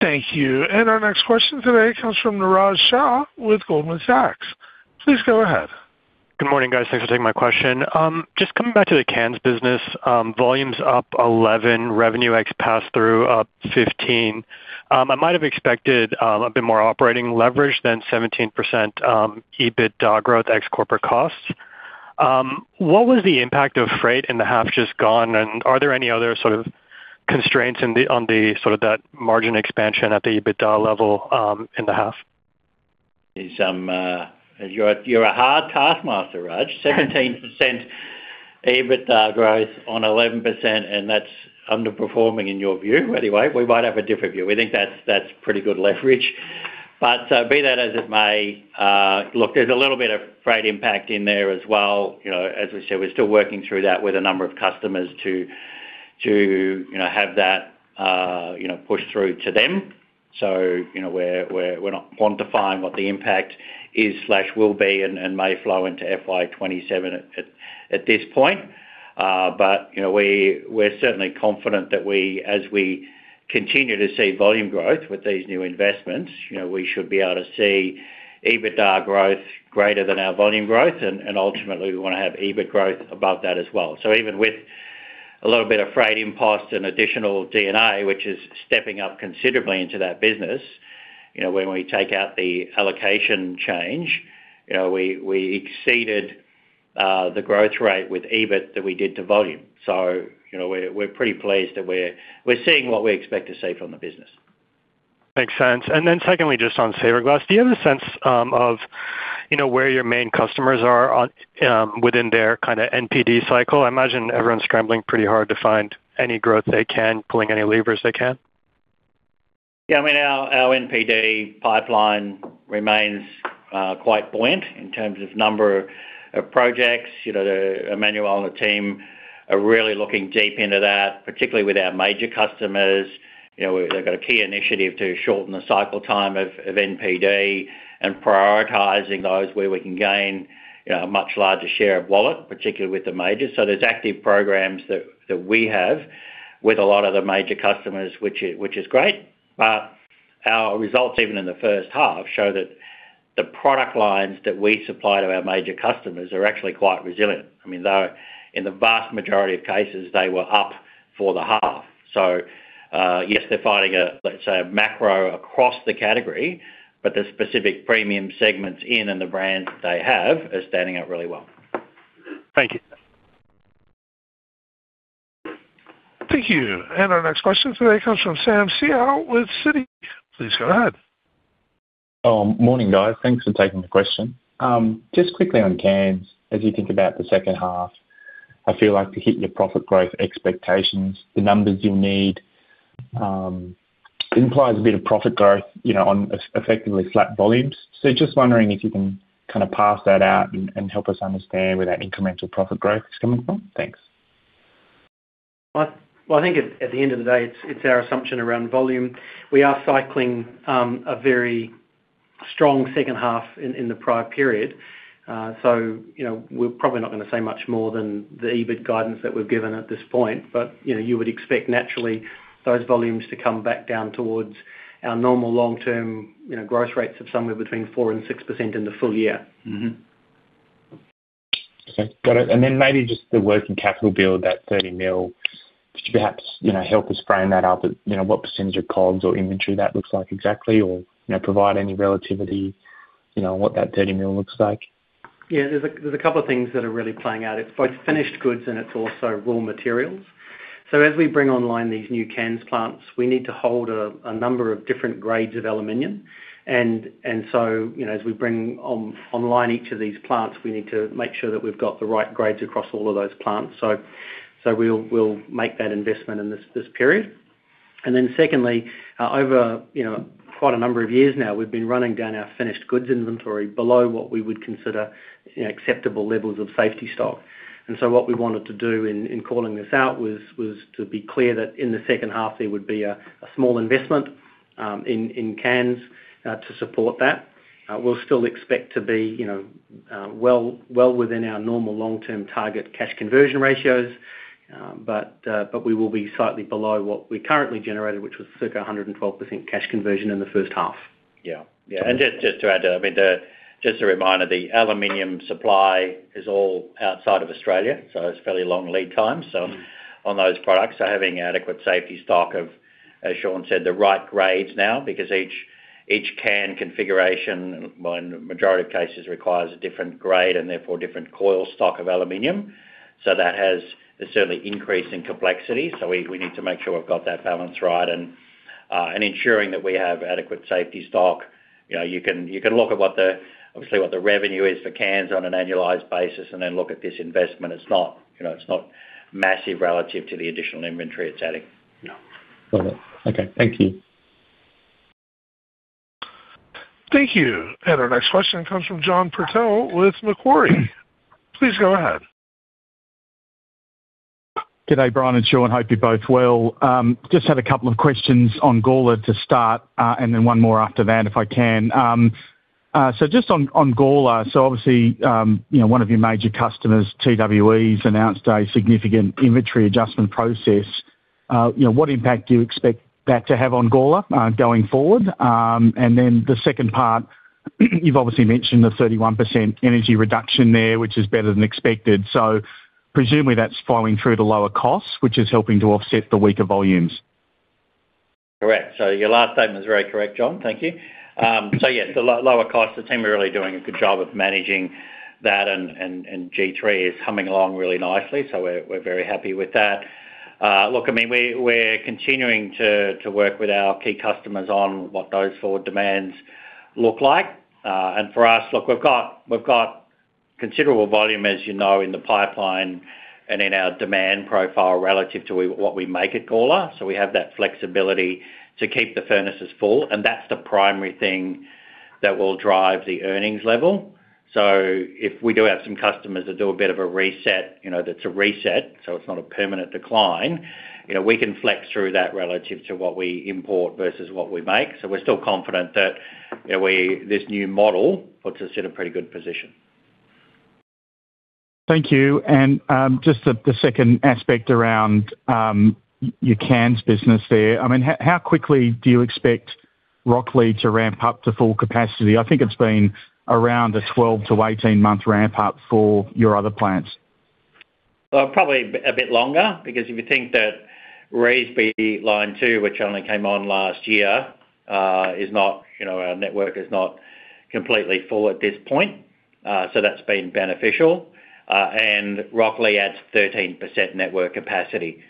Thank you. And our next question today comes from Niraj Shah with Goldman Sachs. Please go ahead. Good morning, guys. Thanks for taking my question. Just coming back to the cans business, volume's up 11, revenue ex-pass-through up 15. I might have expected a bit more operating leverage than 17% EBITDA growth ex-corporate costs. What was the impact of freight in the half just gone, and are there any other sort of constraints on sort of that margin expansion at the EBITDA level in the half? Yeah. You're a hard taskmaster, Raj. 17% EBITDA growth on 11%, and that's underperforming in your view, anyway. We might have a different view. We think that's pretty good leverage. But be that as it may, look, there's a little bit of freight impact in there as well. As we said, we're still working through that with a number of customers to have that pushed through to them. So we're not quantifying what the impact is or will be and may flow into FY27 at this point. But we're certainly confident that as we continue to see volume growth with these new investments, we should be able to see EBITDA growth greater than our volume growth. And ultimately, we want to have EBITDA growth above that as well. So even with a little bit of freight impost and additional D&A, which is stepping up considerably into that business, when we take out the allocation change, we exceeded the growth rate with EBITDA that we did to volume. So we're pretty pleased that we're seeing what we expect to see from the business. Makes sense. And then secondly, just on Saverglass, do you have a sense of where your main customers are within their kind of NPD cycle? I imagine everyone's scrambling pretty hard to find any growth they can, pulling any levers they can. Yeah. I mean, our NPD pipeline remains quite buoyant in terms of number of projects. Emmanuel and the team are really looking deep into that, particularly with our major customers. They've got a key initiative to shorten the cycle time of NPD and prioritizing those where we can gain a much larger share of wallet, particularly with the majors. So there's active programs that we have with a lot of the major customers, which is great. But our results, even in the first half, show that the product lines that we supply to our major customers are actually quite resilient. I mean, though, in the vast majority of cases, they were up for the half. So yes, they're fighting, let's say, a macro across the category, but the specific premium segments in and the brands that they have are standing out really well. Thank you. Thank you. Our next question today comes from Sam Seow with Citi. Please go ahead. Morning, guys. Thanks for taking the question. Just quickly on cans, as you think about the second half, I feel like to hit your profit growth expectations, the numbers you'll need, it implies a bit of profit growth on effectively flat volumes. So just wondering if you can kind of pass that out and help us understand where that incremental profit growth is coming from. Thanks. Well, I think at the end of the day, it's our assumption around volume. We are cycling a very strong second half in the prior period. So we're probably not going to say much more than the EBITDA guidance that we've given at this point. But you would expect, naturally, those volumes to come back down towards our normal long-term growth rates of somewhere between 4%-6% in the full year. Okay. Got it. And then maybe just the working capital bill, that 30 million, could you perhaps help us frame that up? What percentage of comms or inventory that looks like exactly, or provide any relativity on what that 30 million looks like? Yeah. There's a couple of things that are really playing out. It's both finished goods, and it's also raw materials. So as we bring online these new cans plants, we need to hold a number of different grades of aluminum. And so as we bring online each of these plants, we need to make sure that we've got the right grades across all of those plants. So we'll make that investment in this period. And then secondly, over quite a number of years now, we've been running down our finished goods inventory below what we would consider acceptable levels of safety stock. And so what we wanted to do in calling this out was to be clear that in the second half, there would be a small investment in cans to support that. We'll still expect to be well within our normal long-term target cash conversion ratios, but we will be slightly below what we currently generated, which was circa 112% cash conversion in the first half. Yeah. Yeah. And just to add to that, I mean, just a reminder, the aluminum supply is all outside of Australia, so it's fairly long lead times. So on those products, they're having adequate safety stock of, as Shaun said, the right grades now because each can configuration, in the majority of cases, requires a different grade and therefore different coil stock of aluminum. So there's certainly increase in complexity. So we need to make sure we've got that balance right and ensuring that we have adequate safety stock. You can look at, obviously, what the revenue is for cans on an annualized basis and then look at this investment. It's not massive relative to the additional inventory it's adding. No. Got it. Okay. Thank you. Thank you. Our next question comes from John Purtell with Jarden Australia. Please go ahead. Good day, Brian. And Shaun, hope you both well. Just had a couple of questions on Gawler to start, and then one more after that, if I can. So just on Gawler, so obviously, one of your major customers, TWE, has announced a significant inventory adjustment process. What impact do you expect that to have on Gawler going forward? And then the second part, you've obviously mentioned the 31% energy reduction there, which is better than expected. So presumably, that's following through to lower costs, which is helping to offset the weaker volumes. Correct. So your last statement is very correct, John. Thank you. So yes, the lower costs, the team are really doing a good job of managing that, and G3 is humming along really nicely. So we're very happy with that. Look, I mean, we're continuing to work with our key customers on what those forward demands look like. And for us, look, we've got considerable volume, as you know, in the pipeline and in our demand profile relative to what we make at Gawler. So we have that flexibility to keep the furnaces full, and that's the primary thing that will drive the earnings level. So if we do have some customers that do a bit of a reset, that's a reset, so it's not a permanent decline, we can flex through that relative to what we import versus what we make. We're still confident that this new model puts us in a pretty good position. Thank you. Just the second aspect around your cans business there, I mean, how quickly do you expect Rocklea to ramp up to full capacity? I think it's been around a 12-18-month ramp-up for your other plants. Probably a bit longer because if you think that Revesby line two, which only came on last year, our network is not completely full at this point. So that's been beneficial. And Rocklea adds 13% network capacity,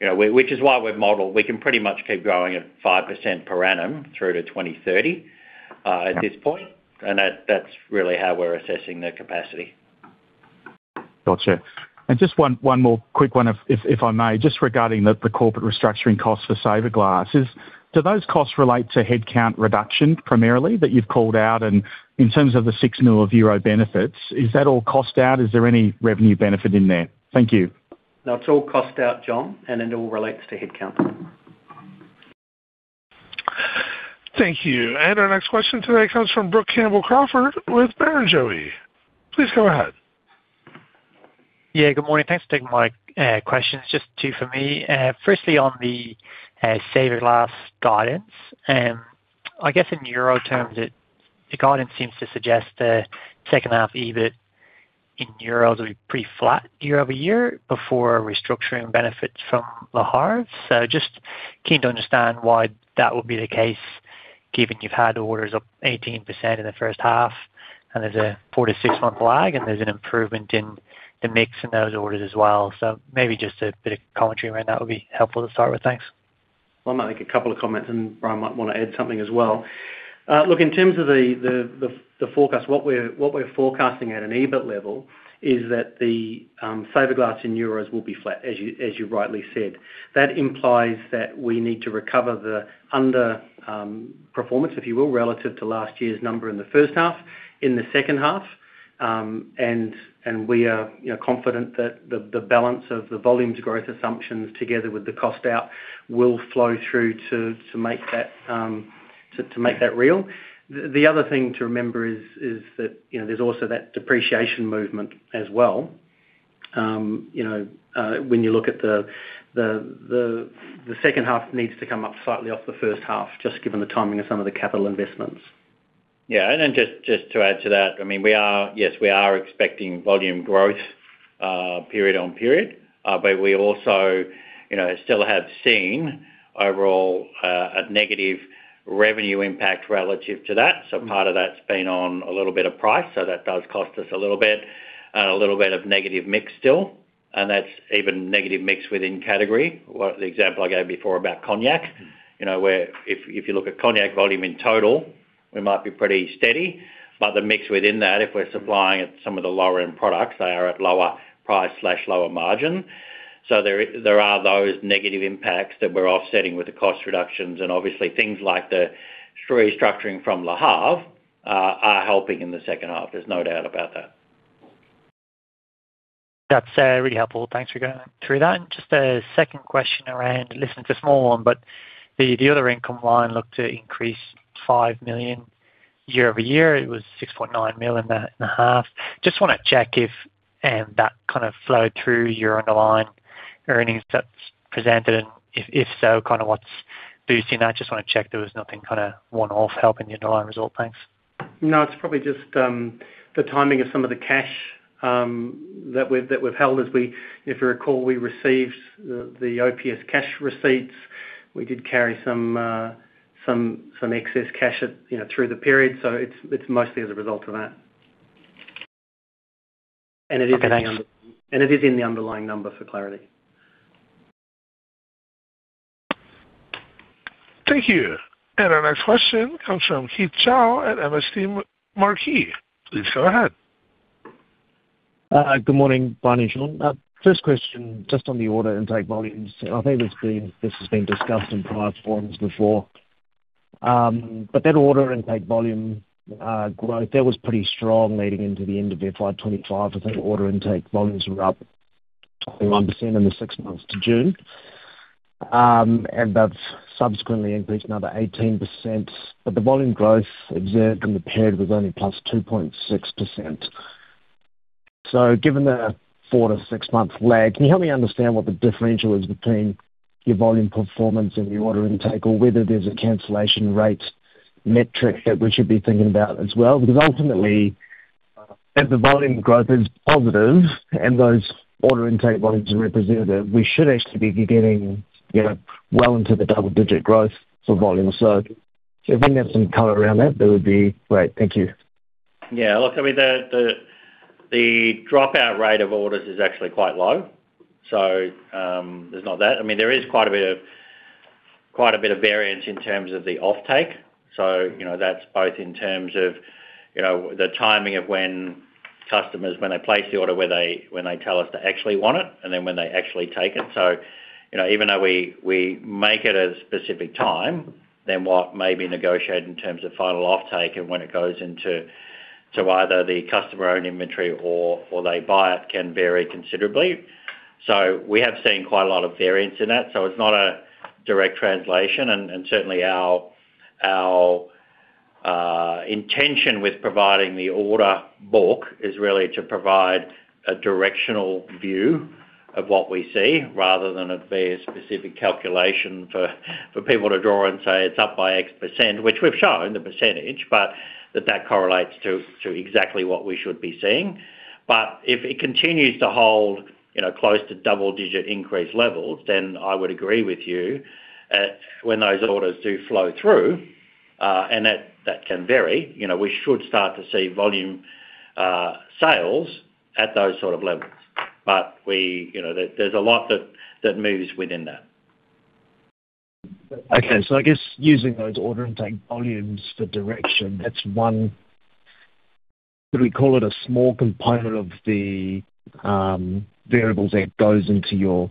which is why we're modeled we can pretty much keep growing at 5% per annum through to 2030 at this point. And that's really how we're assessing the capacity. Gotcha. And just one more quick one, if I may, just regarding the corporate restructuring costs for Saverglass, do those costs relate to headcount reduction primarily that you've called out? And in terms of the 6 million euro benefits, is that all cost out? Is there any revenue benefit in there? Thank you. No, it's all cost out, John, and it all relates to headcount. Thank you. And our next question today comes from Brooke Campbell-Crawford with Barrenjoey. Please go ahead. Yeah. Good morning. Thanks for taking my questions. Just two for me. Firstly, on the Saverglass guidance, I guess in euro terms, the guidance seems to suggest the second-half EBITDA in euros will be pretty flat year-over-year before restructuring benefits from the Le Havre. So just keen to understand why that would be the case given you've had orders up 18% in the first half, and there's a 4-6-month lag, and there's an improvement in the mix in those orders as well. So maybe just a bit of commentary around that would be helpful to start with. Thanks. Well, I might make a couple of comments, and Brian might want to add something as well. Look, in terms of the forecast, what we're forecasting at an EBITDA level is that the Saverglass in euros will be flat, as you rightly said. That implies that we need to recover the underperformance, if you will, relative to last year's number in the first half in the second half. And we are confident that the balance of the volumes growth assumptions together with the cost out will flow through to make that real. The other thing to remember is that there's also that depreciation movement as well. When you look at the second half, it needs to come up slightly off the first half just given the timing of some of the capital investments. Yeah. And then just to add to that, I mean, yes, we are expecting volume growth period on period, but we also still have seen overall a negative revenue impact relative to that. So part of that's been on a little bit of price. So that does cost us a little bit and a little bit of negative mix still. And that's even negative mix within category, the example I gave before about cognac, where if you look at cognac volume in total, we might be pretty steady. But the mix within that, if we're supplying at some of the lower-end products, they are at lower price/lower margin. So there are those negative impacts that we're offsetting with the cost reductions. And obviously, things like the restructuring from Le Havre are helping in the second half. There's no doubt about that. That's really helpful. Thanks for going through that. And just a second question around listen, it's a small one, but the other income line looked to increase 5 million year-over-year. It was 6.9 million in the half. Just want to check if that kind of flowed through your underlying earnings that's presented. And if so, kind of what's boosting that? Just want to check there was nothing kind of one-off helping the underlying result. Thanks. No, it's probably just the timing of some of the cash that we've held. If you recall, we received the OPS cash receipts. We did carry some excess cash through the period. It's mostly as a result of that. It is in the underlying number for clarity. Thank you. Our next question comes from Keith Chau at MST Marquee. Please go ahead. Good morning, Brian and Shaun. First question, just on the order intake volumes. I think this has been discussed in prior forums before. But that order intake volume growth, that was pretty strong leading into the end of FY25. I think order intake volumes were up 21% in the six months to June, and that's subsequently increased another 18%. But the volume growth observed in the period was only +2.6%. So given the four- to six-month lag, can you help me understand what the differential is between your volume performance and your order intake, or whether there's a cancellation rate metric that we should be thinking about as well? Because ultimately, if the volume growth is positive and those order intake volumes are representative, we should actually be getting well into the double-digit growth for volume. So if we can have some color around that, that would be great. Thank you. Yeah. Look, I mean, the dropout rate of orders is actually quite low. So there's not that. I mean, there is quite a bit of quite a bit of variance in terms of the offtake. So that's both in terms of the timing of when customers, when they place the order, when they tell us they actually want it, and then when they actually take it. So even though we make it at a specific time, then what may be negotiated in terms of final offtake and when it goes into either the customer-owned inventory or they buy it can vary considerably. So we have seen quite a lot of variance in that. So it's not a direct translation. Certainly, our intention with providing the order book is really to provide a directional view of what we see rather than it being a specific calculation for people to draw and say, "It's up by X%," which we've shown, the percentage, but that that correlates to exactly what we should be seeing. But if it continues to hold close to double-digit increase levels, then I would agree with you when those orders do flow through, and that can vary, we should start to see volume sales at those sort of levels. But there's a lot that moves within that. Okay. So I guess using those order intake volumes for direction, that's one could we call it a small component of the variables that goes into your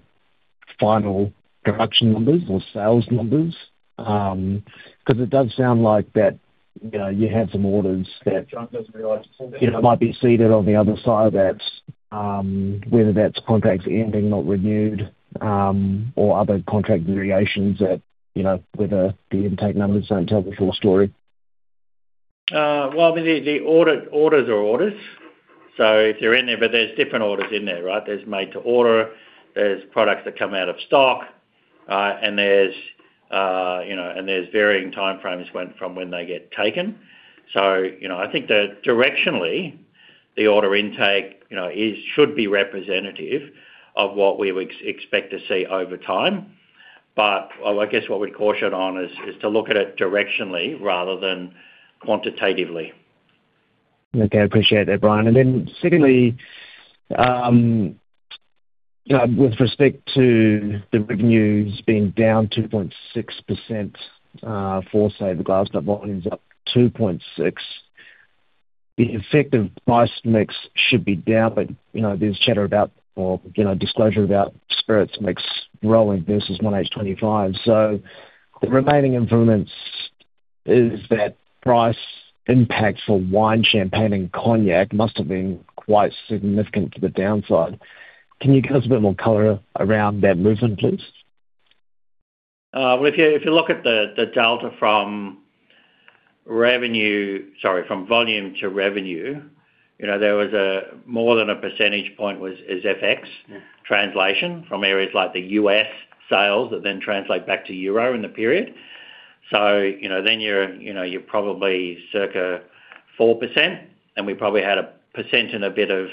final production numbers or sales numbers? Because it does sound like that you have some orders that. Just don't realize it's all there. Might be seated on the other side of that, whether that's contracts ending, not renewed, or other contract variations where the intake numbers don't tell the full story. Well, I mean, the orders are orders. So if they're in there, but there's different orders in there, right? There's made-to-order. There's products that come out of stock. And there's varying timeframes from when they get taken. So I think that directionally, the order intake should be representative of what we would expect to see over time. But I guess what we'd caution on is to look at it directionally rather than quantitatively. Okay. Appreciate that, Brian. And then secondly, with respect to the revenues being down 2.6% for Saverglass, but volumes up 2.6, the effective price mix should be down. But there's chatter about or disclosure about spirits mix rolling versus 1H25. So the remaining improvements is that price impact for wine, champagne, and cognac must have been quite significant to the downside. Can you give us a bit more color around that movement, please? Well, if you look at the delta from revenue—sorry, from volume to revenue—there was more than a percentage point was FX translation from areas like the U.S. sales that then translate back to euro in the period. So then you're probably circa 4%. And we probably had 1% and a bit of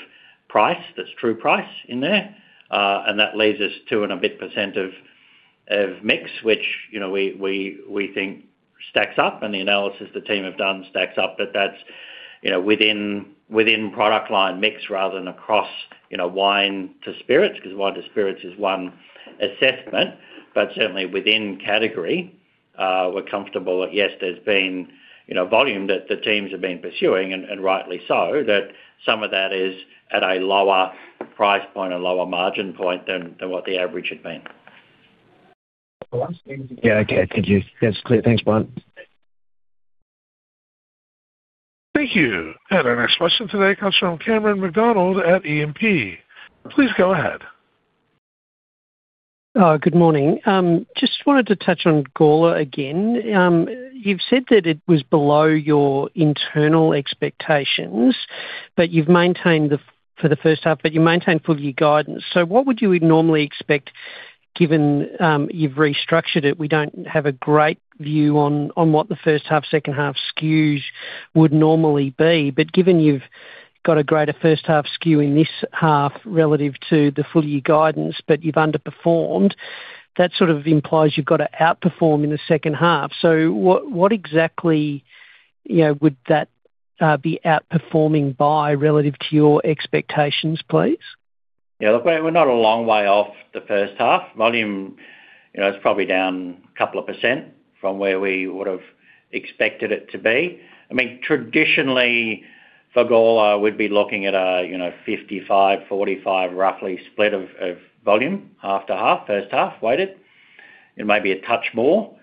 price that's true price in there. And that leads us to a bit of negative mix., which we think stacks up. And the analysis the team have done stacks up. But that's within product line mix rather than across wine to spirits because wine to spirits is one assessment. But certainly, within category, we're comfortable that, yes, there's been volume that the teams have been pursuing, and rightly so, that some of that is at a lower price point, a lower margin point than what the average had been. Yeah. Okay. That's clear. Thanks, Brian. Thank you. Our next question today comes from Cameron McDonald at E&P. Please go ahead. Good morning. Just wanted to touch on Gawler again. You've said that it was below your internal expectations, but you've maintained full year guidance for the first half. So what would you normally expect given you've restructured it? We don't have a great view on what the first half, second half SKUs would normally be. But given you've got a greater first half SKU in this half relative to the full year guidance, but you've underperformed, that sort of implies you've got to outperform in the second half. So what exactly would that be outperforming by relative to your expectations, please? Yeah. Look, we're not a long way off the first half. Volume is probably down a couple of % from where we would have expected it to be. I mean, traditionally, for Gawler, we'd be looking at a 55-45, roughly split of volume half to half, first half weighted. It may be a touch more.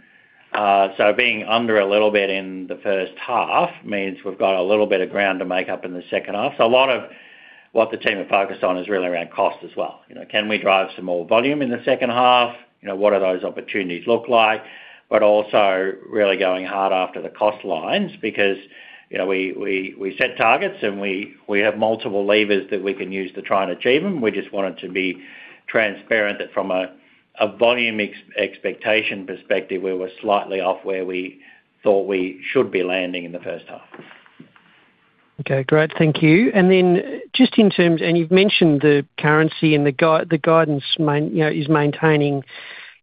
So being under a little bit in the first half means we've got a little bit of ground to make up in the second half. So a lot of what the team are focused on is really around cost as well. Can we drive some more volume in the second half? What do those opportunities look like? But also really going hard after the cost lines because we set targets, and we have multiple levers that we can use to try and achieve them. We just wanted to be transparent that from a volume expectation perspective, we were slightly off where we thought we should be landing in the first half. Okay. Great. Thank you. And then just in terms and you've mentioned the currency, and the guidance is maintaining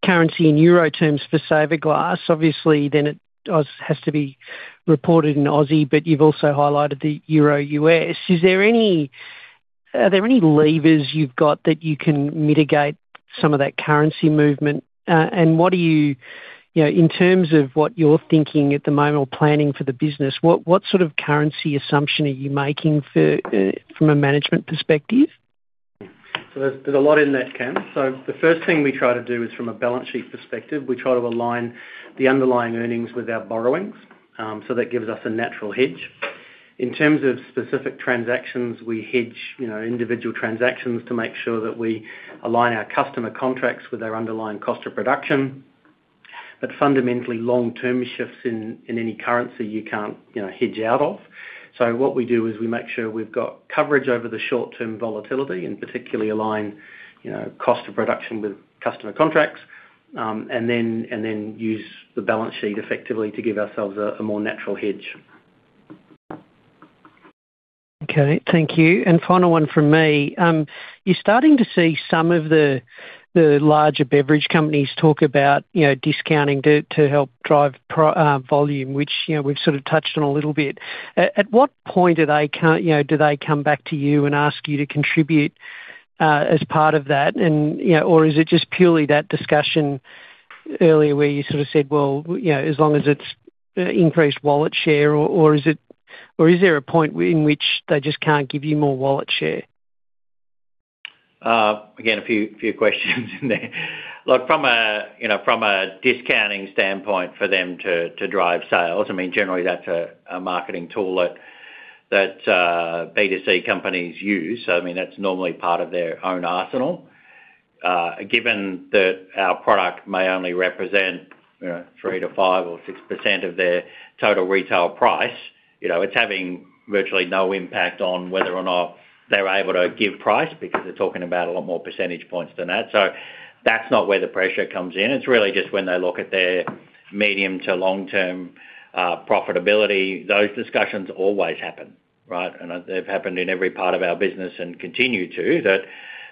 currency in euro terms for Saverglass. Obviously, then it has to be reported in Aussie, but you've also highlighted the euro/US. Are there any levers you've got that you can mitigate some of that currency movement? And what are you in terms of what you're thinking at the moment or planning for the business, what sort of currency assumption are you making from a management perspective? There's a lot in that, Cam. The first thing we try to do is from a balance sheet perspective, we try to align the underlying earnings with our borrowings. That gives us a natural hedge. In terms of specific transactions, we hedge individual transactions to make sure that we align our customer contracts with their underlying cost of production. But fundamentally, long-term shifts in any currency you can't hedge out of. What we do is we make sure we've got coverage over the short-term volatility and particularly align cost of production with customer contracts and then use the balance sheet effectively to give ourselves a more natural hedge. Okay. Thank you. And final one from me. You're starting to see some of the larger beverage companies talk about discounting to help drive volume, which we've sort of touched on a little bit. At what point do they come back to you and ask you to contribute as part of that? Or is it just purely that discussion earlier where you sort of said, "Well, as long as it's increased wallet share," or is there a point in which they just can't give you more wallet share? Again, a few questions in there. Look, from a discounting standpoint for them to drive sales, I mean, generally, that's a marketing tool that B2C companies use. I mean, that's normally part of their own arsenal. Given that our product may only represent 3%-5% or 6% of their total retail price, it's having virtually no impact on whether or not they're able to give price because they're talking about a lot more percentage points than that. So that's not where the pressure comes in. It's really just when they look at their medium to long-term profitability. Those discussions always happen, right? And they've happened in every part of our business and continue to, that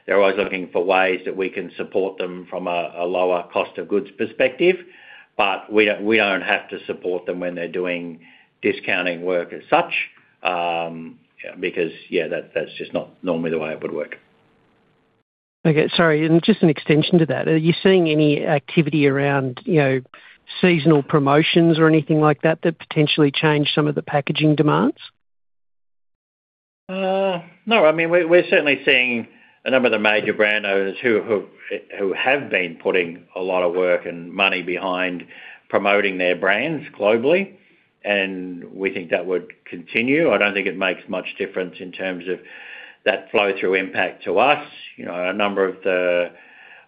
they're always looking for ways that we can support them from a lower cost of goods perspective. But we don't have to support them when they're doing discounting work as such because, yeah, that's just not normally the way it would work. Okay. Sorry. Just an extension to that, are you seeing any activity around seasonal promotions or anything like that that potentially change some of the packaging demands? No. I mean, we're certainly seeing a number of the major brand owners who have been putting a lot of work and money behind promoting their brands globally. We think that would continue. I don't think it makes much difference in terms of that flow-through impact to us. A number of the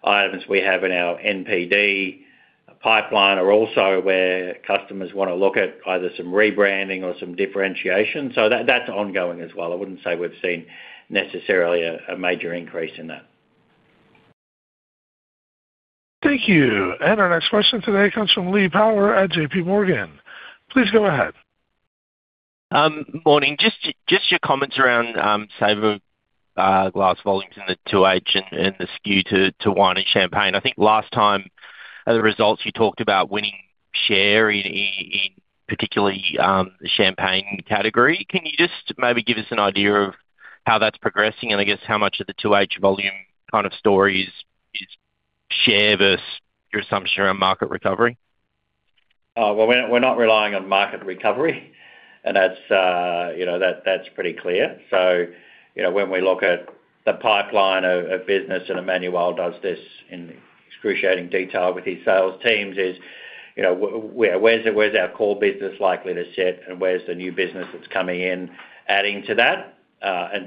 items we have in our NPD pipeline are also where customers want to look at either some rebranding or some differentiation. That's ongoing as well. I wouldn't say we've seen necessarily a major increase in that. Thank you. Our next question today comes from Lee Power at J.P. Morgan. Please go ahead. Morning. Just your comments around Saverglass volumes in the 2H and the skew to wine and champagne. I think last time, at the results, you talked about winning share in particular the champagne category. Can you just maybe give us an idea of how that's progressing and, I guess, how much of the 2H volume kind of story is share versus your assumption around market recovery? Well, we're not relying on market recovery. That's pretty clear. When we look at the pipeline of business and Emmanuel does this in excruciating detail with his sales teams is where's our core business likely to sit, and where's the new business that's coming in adding to that?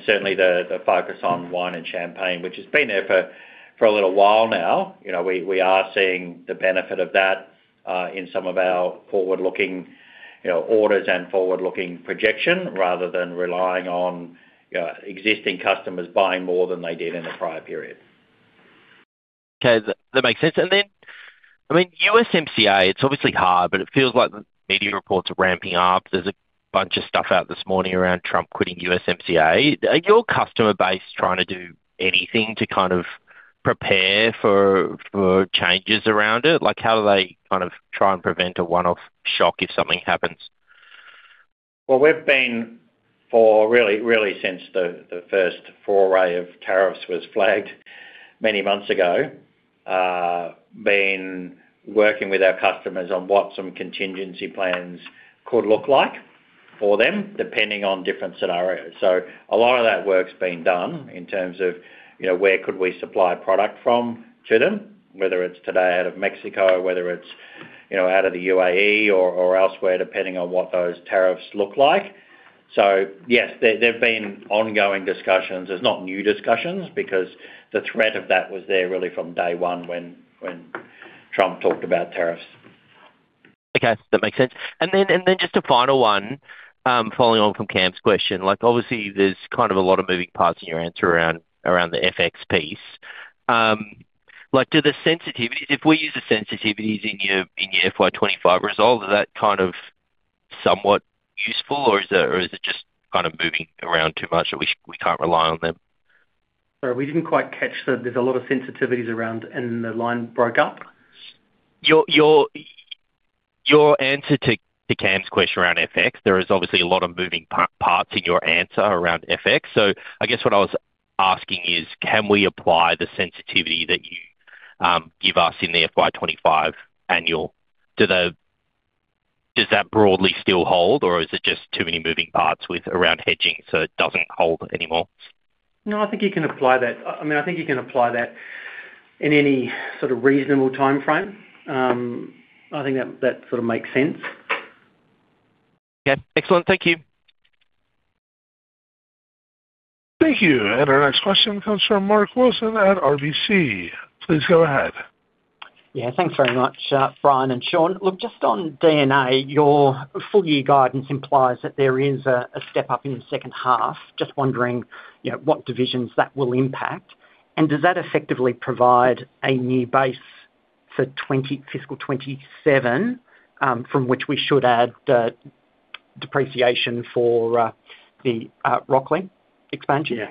Certainly, the focus on wine and champagne, which has been there for a little while now, we are seeing the benefit of that in some of our forward-looking orders and forward-looking projection rather than relying on existing customers buying more than they did in the prior period. Okay. That makes sense. And then, I mean, USMCA, it's obviously hard, but it feels like the media reports are ramping up. There's a bunch of stuff out this morning around Trump quitting USMCA. Are your customer base trying to do anything to kind of prepare for changes around it? How do they kind of try and prevent a one-off shock if something happens? Well, we've been for really, really since the first foray of tariffs was flagged many months ago, been working with our customers on what some contingency plans could look like for them depending on different scenarios. So a lot of that work's been done in terms of where could we supply product from to them, whether it's today out of Mexico, whether it's out of the UAE, or elsewhere depending on what those tariffs look like. So yes, there've been ongoing discussions. There's not new discussions because the threat of that was there really from day one when Trump talked about tariffs. Okay. That makes sense. And then just a final one following on from Cam's question. Obviously, there's kind of a lot of moving parts in your answer around the FX piece. Do the sensitivities if we use the sensitivities in your FY25 results, is that kind of somewhat useful, or is it just kind of moving around too much that we can't rely on them? Sorry. We didn't quite catch the. There's a lot of sensitivities around, and the line broke up. Your answer to Cam's question around FX, there is obviously a lot of moving parts in your answer around FX. So I guess what I was asking is, can we apply the sensitivity that you give us in the FY25 annual? Does that broadly still hold, or is it just too many moving parts around hedging so it doesn't hold anymore? No, I think you can apply that. I mean, I think you can apply that in any sort of reasonable timeframe. I think that sort of makes sense. Okay. Excellent. Thank you. Thank you. And our next question comes from Mark Wilson at RBC. Please go ahead. Yeah. Thanks very much, Brian and Shaun. Look, just on D&A, your full-year guidance implies that there is a step up in the second half. Just wondering what divisions that will impact. Does that effectively provide a new base for fiscal 2027 from which we should add depreciation for the Rocklea expansion? Yeah.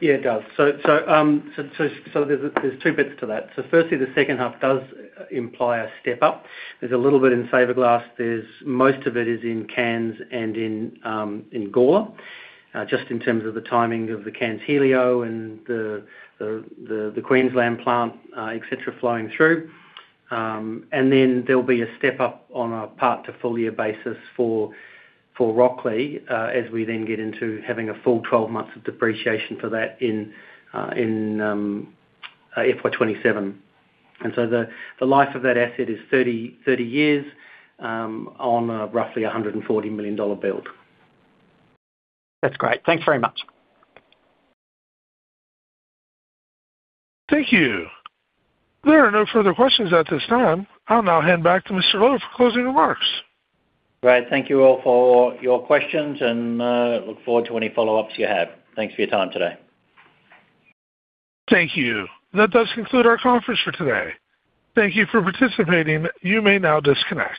Yeah, it does. So there's two bits to that. So firstly, the second half does imply a step up. There's a little bit in Saverglass. Most of it is in Cans and in Gawler just in terms of the timing of the Cans Helio and the Queensland plant, etc., flowing through. And then there'll be a step up on a part-to-full-year basis for Rocklea as we then get into having a full 12 months of depreciation for that in FY27. And so the life of that asset is 30 years on a roughly 140 million dollar build. That's great. Thanks very much. Thank you. There are no further questions at this time. I'll now hand back to Mr. Lowe for closing remarks. Great. Thank you all for your questions, and look forward to any follow-ups you have. Thanks for your time today. Thank you. That does conclude our conference for today. Thank you for participating. You may now disconnect.